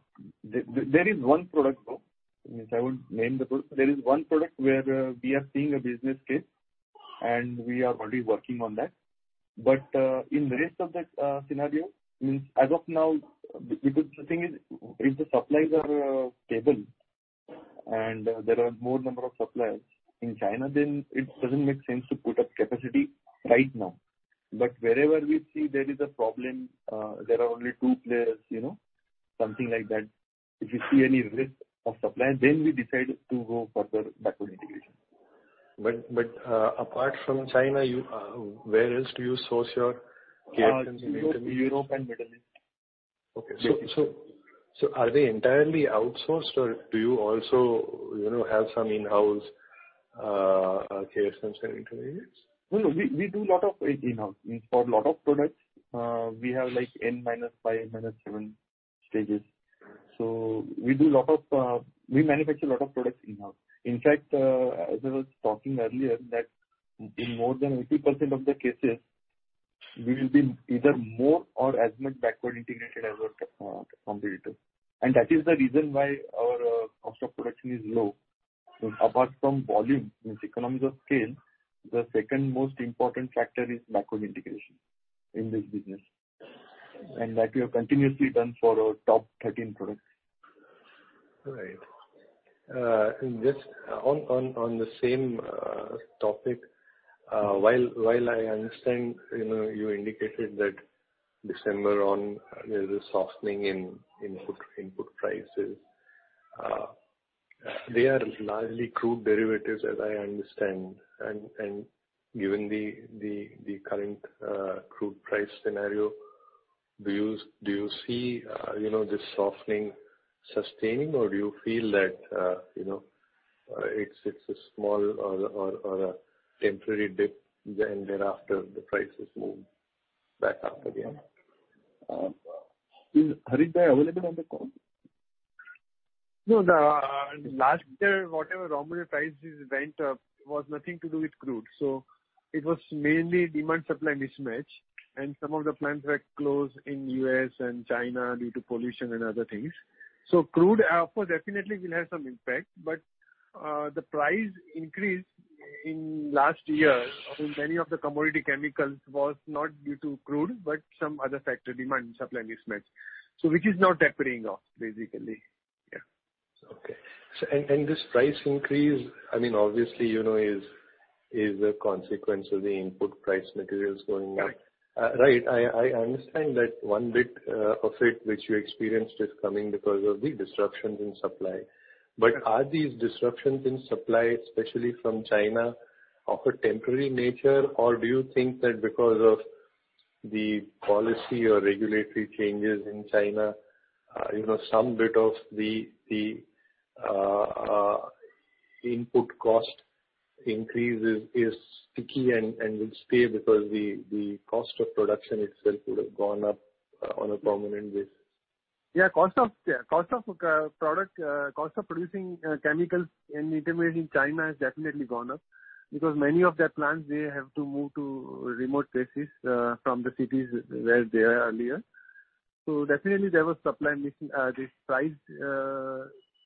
is one product though, which I won't name the product. There is one product where we are seeing a business case and we are already working on that. In rest of that scenario, means as of now, because the thing is, if the suppliers are stable and there are more number of suppliers in China, then it doesn't make sense to put up capacity right now. Wherever we see there is a problem, there are only two players, you know, something like that, if we see any risk of supply, then we decide to go further backward integration. Apart from China, you, where else do you source your KSMs and intermediates? Europe and Middle East. Okay. Thank you. Are they entirely outsourced or do you also, you know, have some in-house KSMs and intermediates? No, no. We do a lot of it in-house. In for a lot of products, we have like N-5, N-7 stages. So we manufacture a lot of products in-house. In fact, as I was talking earlier, that in more than 80% of the cases we will be either more or as much backward-integrated as our competitor. That is the reason why our cost of production is low. Apart from volume, means economies of scale, the second most important factor is backward integration in this business. That we have continuously done for our top 13 products. Right. And just on the same topic, while I understand, you know, you indicated that December on there's a softening in input prices. They are largely crude derivatives, as I understand. Given the current crude price scenario, do you see, you know, this softening sustaining or do you feel that, you know, it's a small or a temporary dip and thereafter the prices move back up again? Is Harish available on the call? No. Last year, whatever raw material prices went up was nothing to do with crude. It was mainly demand-supply mismatch. Some of the plants were closed in U.S. and China due to pollution and other things. Crude, of course, definitely will have some impact. The price increase in last year on many of the commodity chemicals was not due to crude, but some other factor, demand-supply mismatch. Which is now tapering off basically. Yeah. This price increase, I mean, obviously, you know, is a consequence of the input price materials going up. Right. Right. I understand that one bit of it which you experienced is coming because of the disruptions in supply. Are these disruptions in supply, especially from China, of a temporary nature or do you think that because of the policy or regulatory changes in China, you know, some bit of the input cost increase is sticky and will stay because the cost of production itself would have gone up on a permanent basis? Cost of producing chemicals and intermediates in China has definitely gone up because many of their plants they have to move to remote places from the cities where they were earlier. Definitely there was supply missing. This price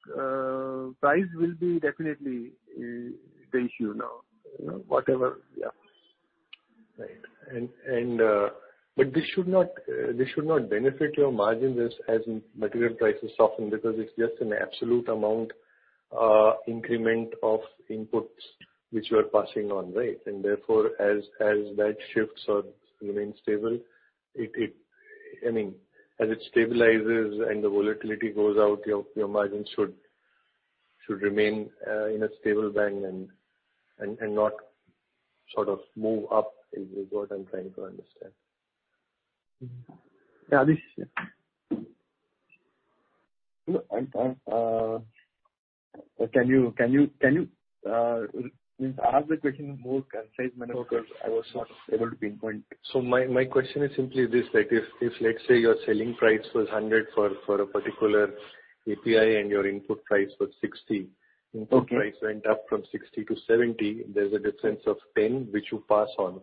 will definitely be the issue now. You know. Right. But this should not benefit your margins as material prices soften because it's just an absolute amount increment of inputs which you are passing on. Right? Therefore as that shifts or remains stable, I mean, as it stabilizes and the volatility goes out, your margins should remain in a stable band and not sort of move up is what I'm trying to understand. Can you ask the question in more concise manner? Okay. because I was not able to pinpoint. My question is simply this. Like, if let's say your selling price was 100 for a particular API and your input price was 60. Okay. Input price went up from INR 60INR 70, there's a difference of 10 which you pass on.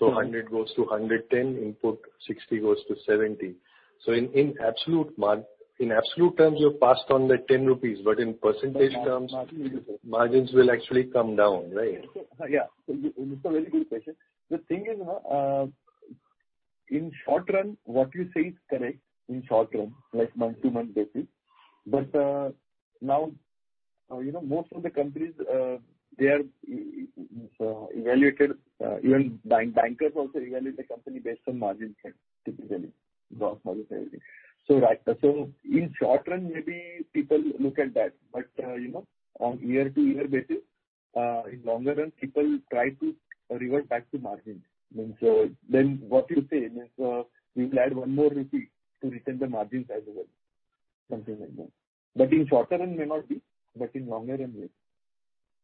Mm-hmm. 100 goes to 110, input 60 goes to 70. In absolute terms you've passed on that 10 rupees but in percentage terms- Margins will- Margins will actually come down, right? Yeah. It's a very good question. The thing is, you know, in short run what you say is correct, in short run, like month-to-month basis. Now, you know, most of the companies, they are evaluated, even bankers also evaluate the company based on margin side typically. Gross margin side. Right. In short run maybe people look at that. You know, on year-to-year basis, in longer run, people try to revert back to margins. Means, then what you say means, we will add one more rupee to return the margins as it was. Something like that. In short term may not be, in longer term, yes.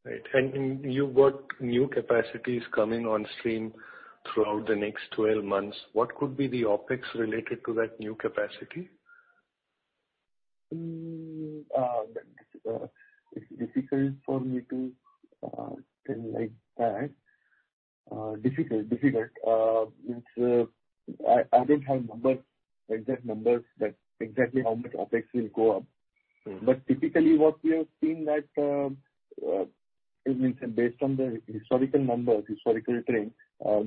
Right. You've got new capacities coming on stream throughout the next twelve months. What could be the OpEx related to that new capacity? It's difficult for me to tell like that. It's difficult. I don't have exact numbers, exactly how much OpEx will go up. Mm-hmm. Typically what we have seen that, I mean, based on the historical numbers, historical trend,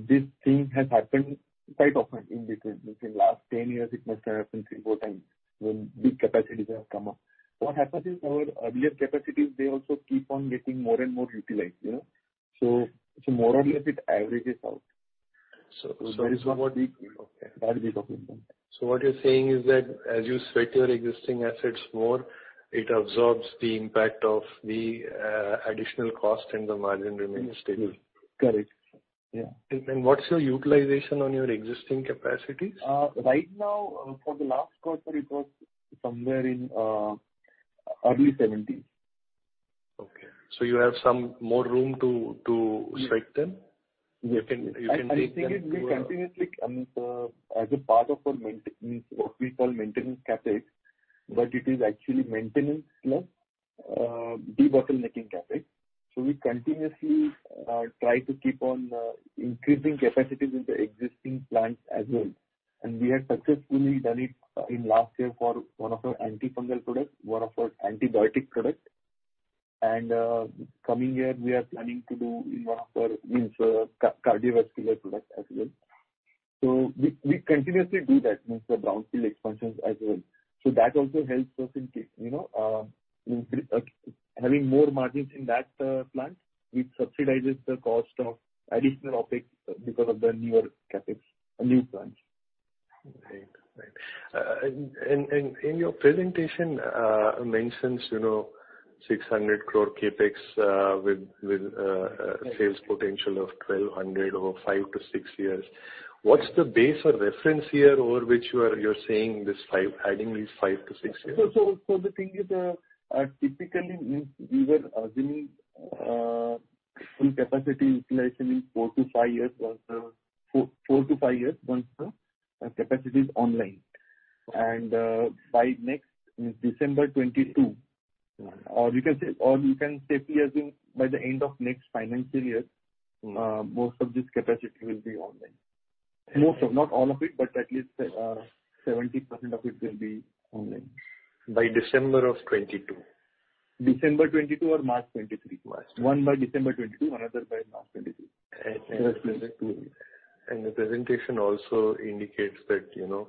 this thing has happened quite often in between. Between last 10 years it must have happened 3, 4 times when new capacities have come up. What happens is our earlier capacities, they also keep on getting more and more utilized, you know. More or less it averages out. That is what we- Okay. That is what we think. What you're saying is that as you sweat your existing assets more it absorbs the impact of the additional cost and the margin remains stable. Mm-hmm. Correct. Yeah. What's your utilization on your existing capacities? Right now, for the last quarter, it was somewhere in early 70s. Okay. You have some more room to strike them? Yes. You can take them- I think it will continuously come as a part of our means, what we call maintenance CapEx. But it is actually maintenance plus debottlenecking CapEx. We continuously try to keep on increasing capacities in the existing plants as well. We have successfully done it in last year for one of our antifungal products, one of our antibiotic products. Coming year, we are planning to do in one of our means, cardiovascular products as well. We continuously do that, means the brownfield expansions as well. That also helps us in case you know in having more margins in that plant, which subsidizes the cost of additional OpEx because of the newer CapEx and new plants. Right. In your presentation mentions, you know, 600 crore CapEx with sales potential of 1,200 crore over five to six years. What's the base or reference here over which you are adding these five to six years? The thing is, typically means we were assuming full capacity utilization in four to five years once the capacity is online by next December 2022. Mm-hmm. You can safely assume by the end of next financial year. Mm-hmm. Most of this capacity will be online. Not all of it, but at least 70% of it will be online. By December of 2022. December 2022 or March 2023. March. One by December 2022, another by March 2023. The presentation also indicates that, you know,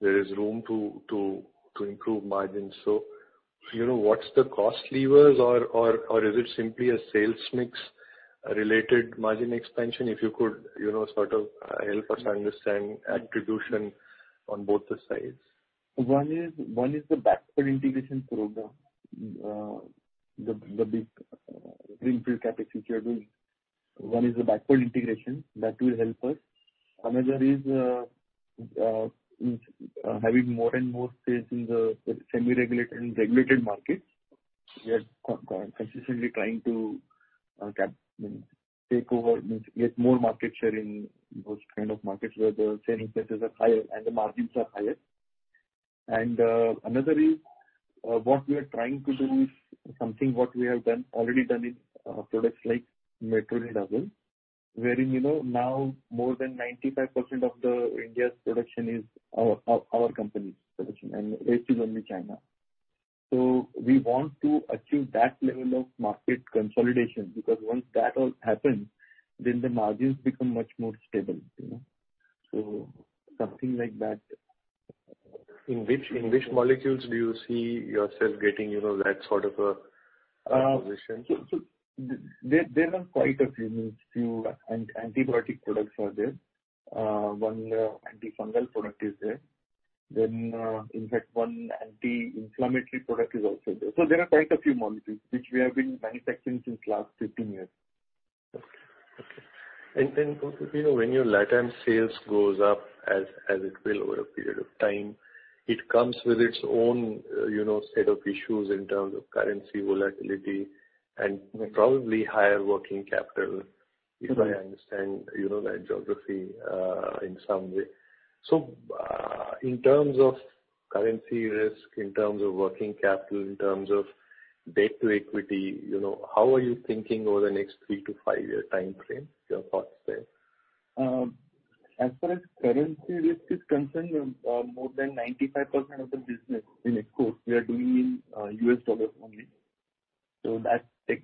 there is room to improve margins. You know, what's the cost levers or is it simply a sales mix related margin expansion? If you could, you know, sort of, help us understand attribution on both the sides. One is the backward integration program, the big greenfield capacity we are doing that will help us. Another is having more and more space in the semi-regulated and regulated markets. We are consistently trying to capture, meaning take over, meaning get more market share in those kind of markets where the selling prices are higher and the margins are higher. Another is what we are trying to do is something that we have already done in products like metronidazole, wherein, you know, now more than 95% of India's production is our company's production, and rest is only China. We want to achieve that level of market consolidation, because once that all happens, then the margins become much more stable, you know. Something like that. In which molecules do you see yourself getting, you know, that sort of a position? There are quite a few antibiotic products. One antifungal product is there. In fact, one anti-inflammatory product is also there. There are quite a few molecules which we have been manufacturing since last 15 years. Okay. You know, when your LatAm sales goes up, as it will over a period of time, it comes with its own, you know, set of issues in terms of currency volatility and probably higher working capital. Mm-hmm. If I understand, you know, that geography in some way. In terms of currency risk, in terms of working capital, in terms of debt to equity, you know, how are you thinking over the next three to five year timeframe, your thoughts there? As far as currency risk is concerned, more than 95% of the business in Echopharm we are doing in U.S. dollars only. That takes care of that. As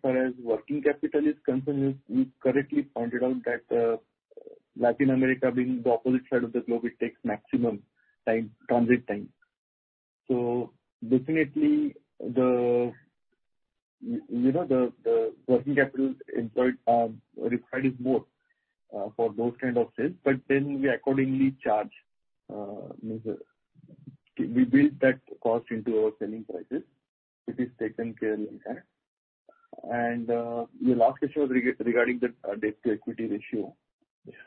far as working capital is concerned, you correctly pointed out that Latin America being the opposite side of the globe, it takes maximum time, transit time. Definitely the working capital employed, required is more for those kind of sales, but then we accordingly charge means we build that cost into our selling prices. It is taken care in that. Your last question regarding the debt to equity ratio.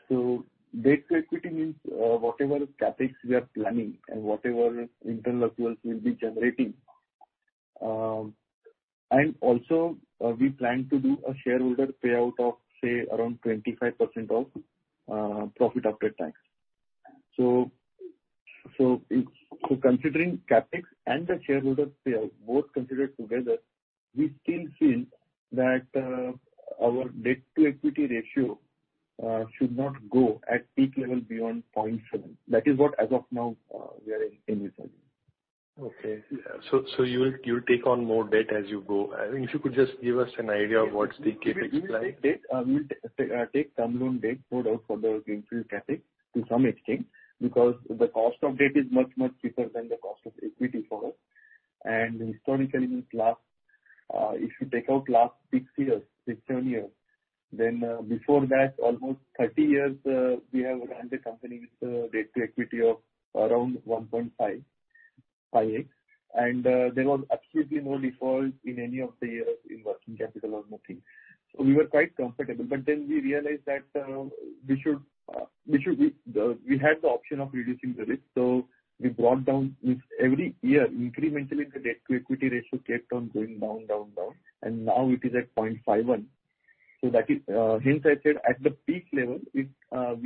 Debt to equity means whatever CapEx we are planning and whatever internal accruals we'll be generating. also, we plan to do a shareholder payout of, say, around 25% of profit after tax. If considering CapEx and the shareholder payout, both considered together, we still feel that our debt to equity ratio should not go at peak level beyond 0.7. That is what as of now we are envisioning. Okay. You will take on more debt as you go. I mean, if you could just give us an idea of what's the CapEx like? We will take debt. We'll take some loan debt no doubt for the greenfield CapEx to some extent because the cost of debt is much, much cheaper than the cost of equity for us. Historically, if you take out the last six to seven years, then before that almost 30 years, we have run the company with a debt-to-equity of around 1.5. There was absolutely no default in any of the years in working capital or nothing. We were quite comfortable. We realized that we had the option of reducing the risk, so we brought down with every year incrementally the debt-to-equity ratio kept on going down, and now it is at 0.51. That is, hence I said at the peak level, we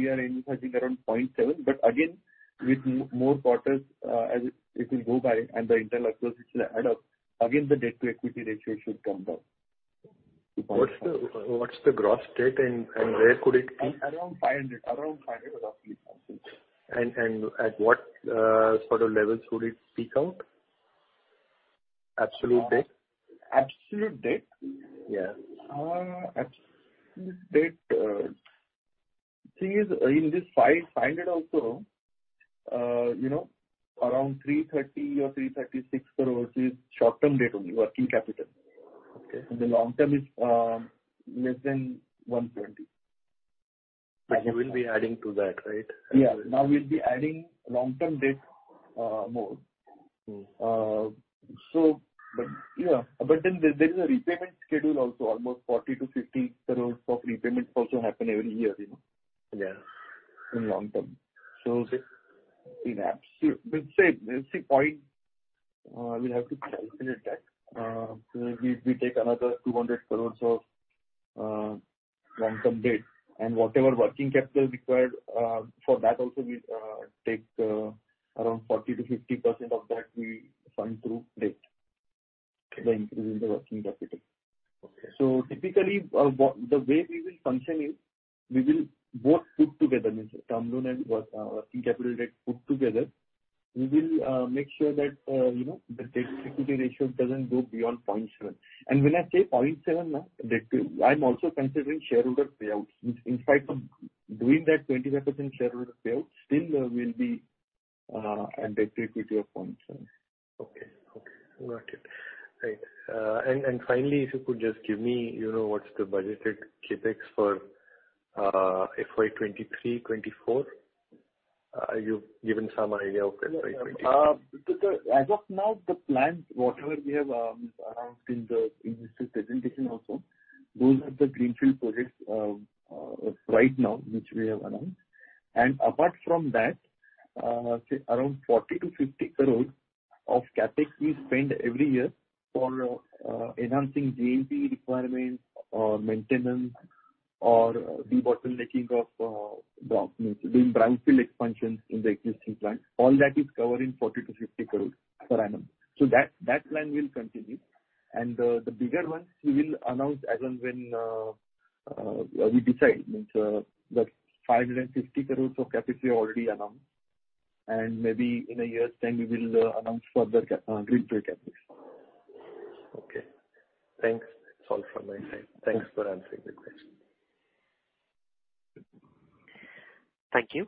are aiming something around 0.7. With more quarters, as it will go by and the equity will add up, again, the debt-to-equity ratio should come down to 0.5. What's the gross debt and where could it peak? Around 500, roughly, something. At what sort of levels would it peak out? Absolute debt. Absolute debt? Yeah. Absolute debt, thing is, in this 500 also, you know, around 330 crore or 336 crore is short-term debt only, working capital. Okay. The long-term is less than 120. You will be adding to that, right? Yeah. Now we'll be adding long-term debt, more. Mm. There is a repayment schedule also. Almost 40 crores-50 crores of repayments also happen every year, you know? Yeah. In long term. In absolute, let's say point, we'll have to calculate that. We take another 200 crore of long-term debt. Whatever working capital required, for that also we take around 40%-50% of that we fund through debt. Okay. By improving the working capital. Okay. Typically, the way we will function is we will both put together term loan and working capital debt put together. We will make sure that, you know, the debt-to-equity ratio doesn't go beyond 0.7. When I say 0.7, I'm also considering shareholder payouts. In spite of doing that 25% shareholder payout, still there will be a debt-to-equity of 0.7. Okay. Got it. Right. Finally, if you could just give me, you know, what's the budgeted CapEx for FY 2023, 2024. You've given some idea of FY 2024. As of now, the plans whatever we have announced in this presentation also, those are the greenfield projects right now, which we have announced. Apart from that, say around 40 crores-50 crores of CapEx we spend every year for enhancing GMP requirements or maintenance or debottlenecking, means doing brownfield expansions in the existing plant. All that is covered in 40 crores- 50 crores per annum. That plan will continue. The bigger ones we will announce as and when we decide. Means the 550 crores of CapEx we already announced, and maybe in a year's time we will announce further CapEx, greenfield CapEx. Okay. Thanks. That's all from my side. Thanks. Thanks for answering the questions. Thank you.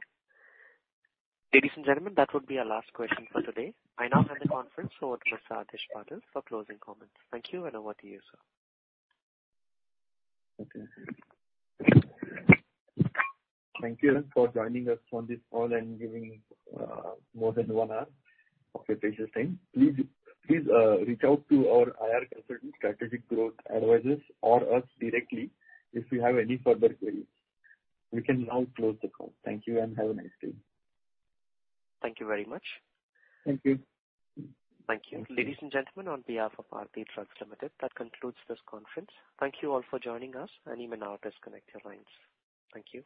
Ladies and gentlemen, that would be our last question for today. I now hand the conference over to Mr. Adhish Patil for closing comments. Thank you, and over to you, sir. Okay. Thank you for joining us on this call and giving more than one hour of your precious time. Please, reach out to our IR consultant, Strategic Growth Advisors, or us directly if you have any further queries. We can now close the call. Thank you and have a nice day. Thank you very much. Thank you. Thank you. Ladies and gentlemen, on behalf of Aarti Drugs Limited, that concludes this conference. Thank you all for joining us and you may now disconnect your lines. Thank you.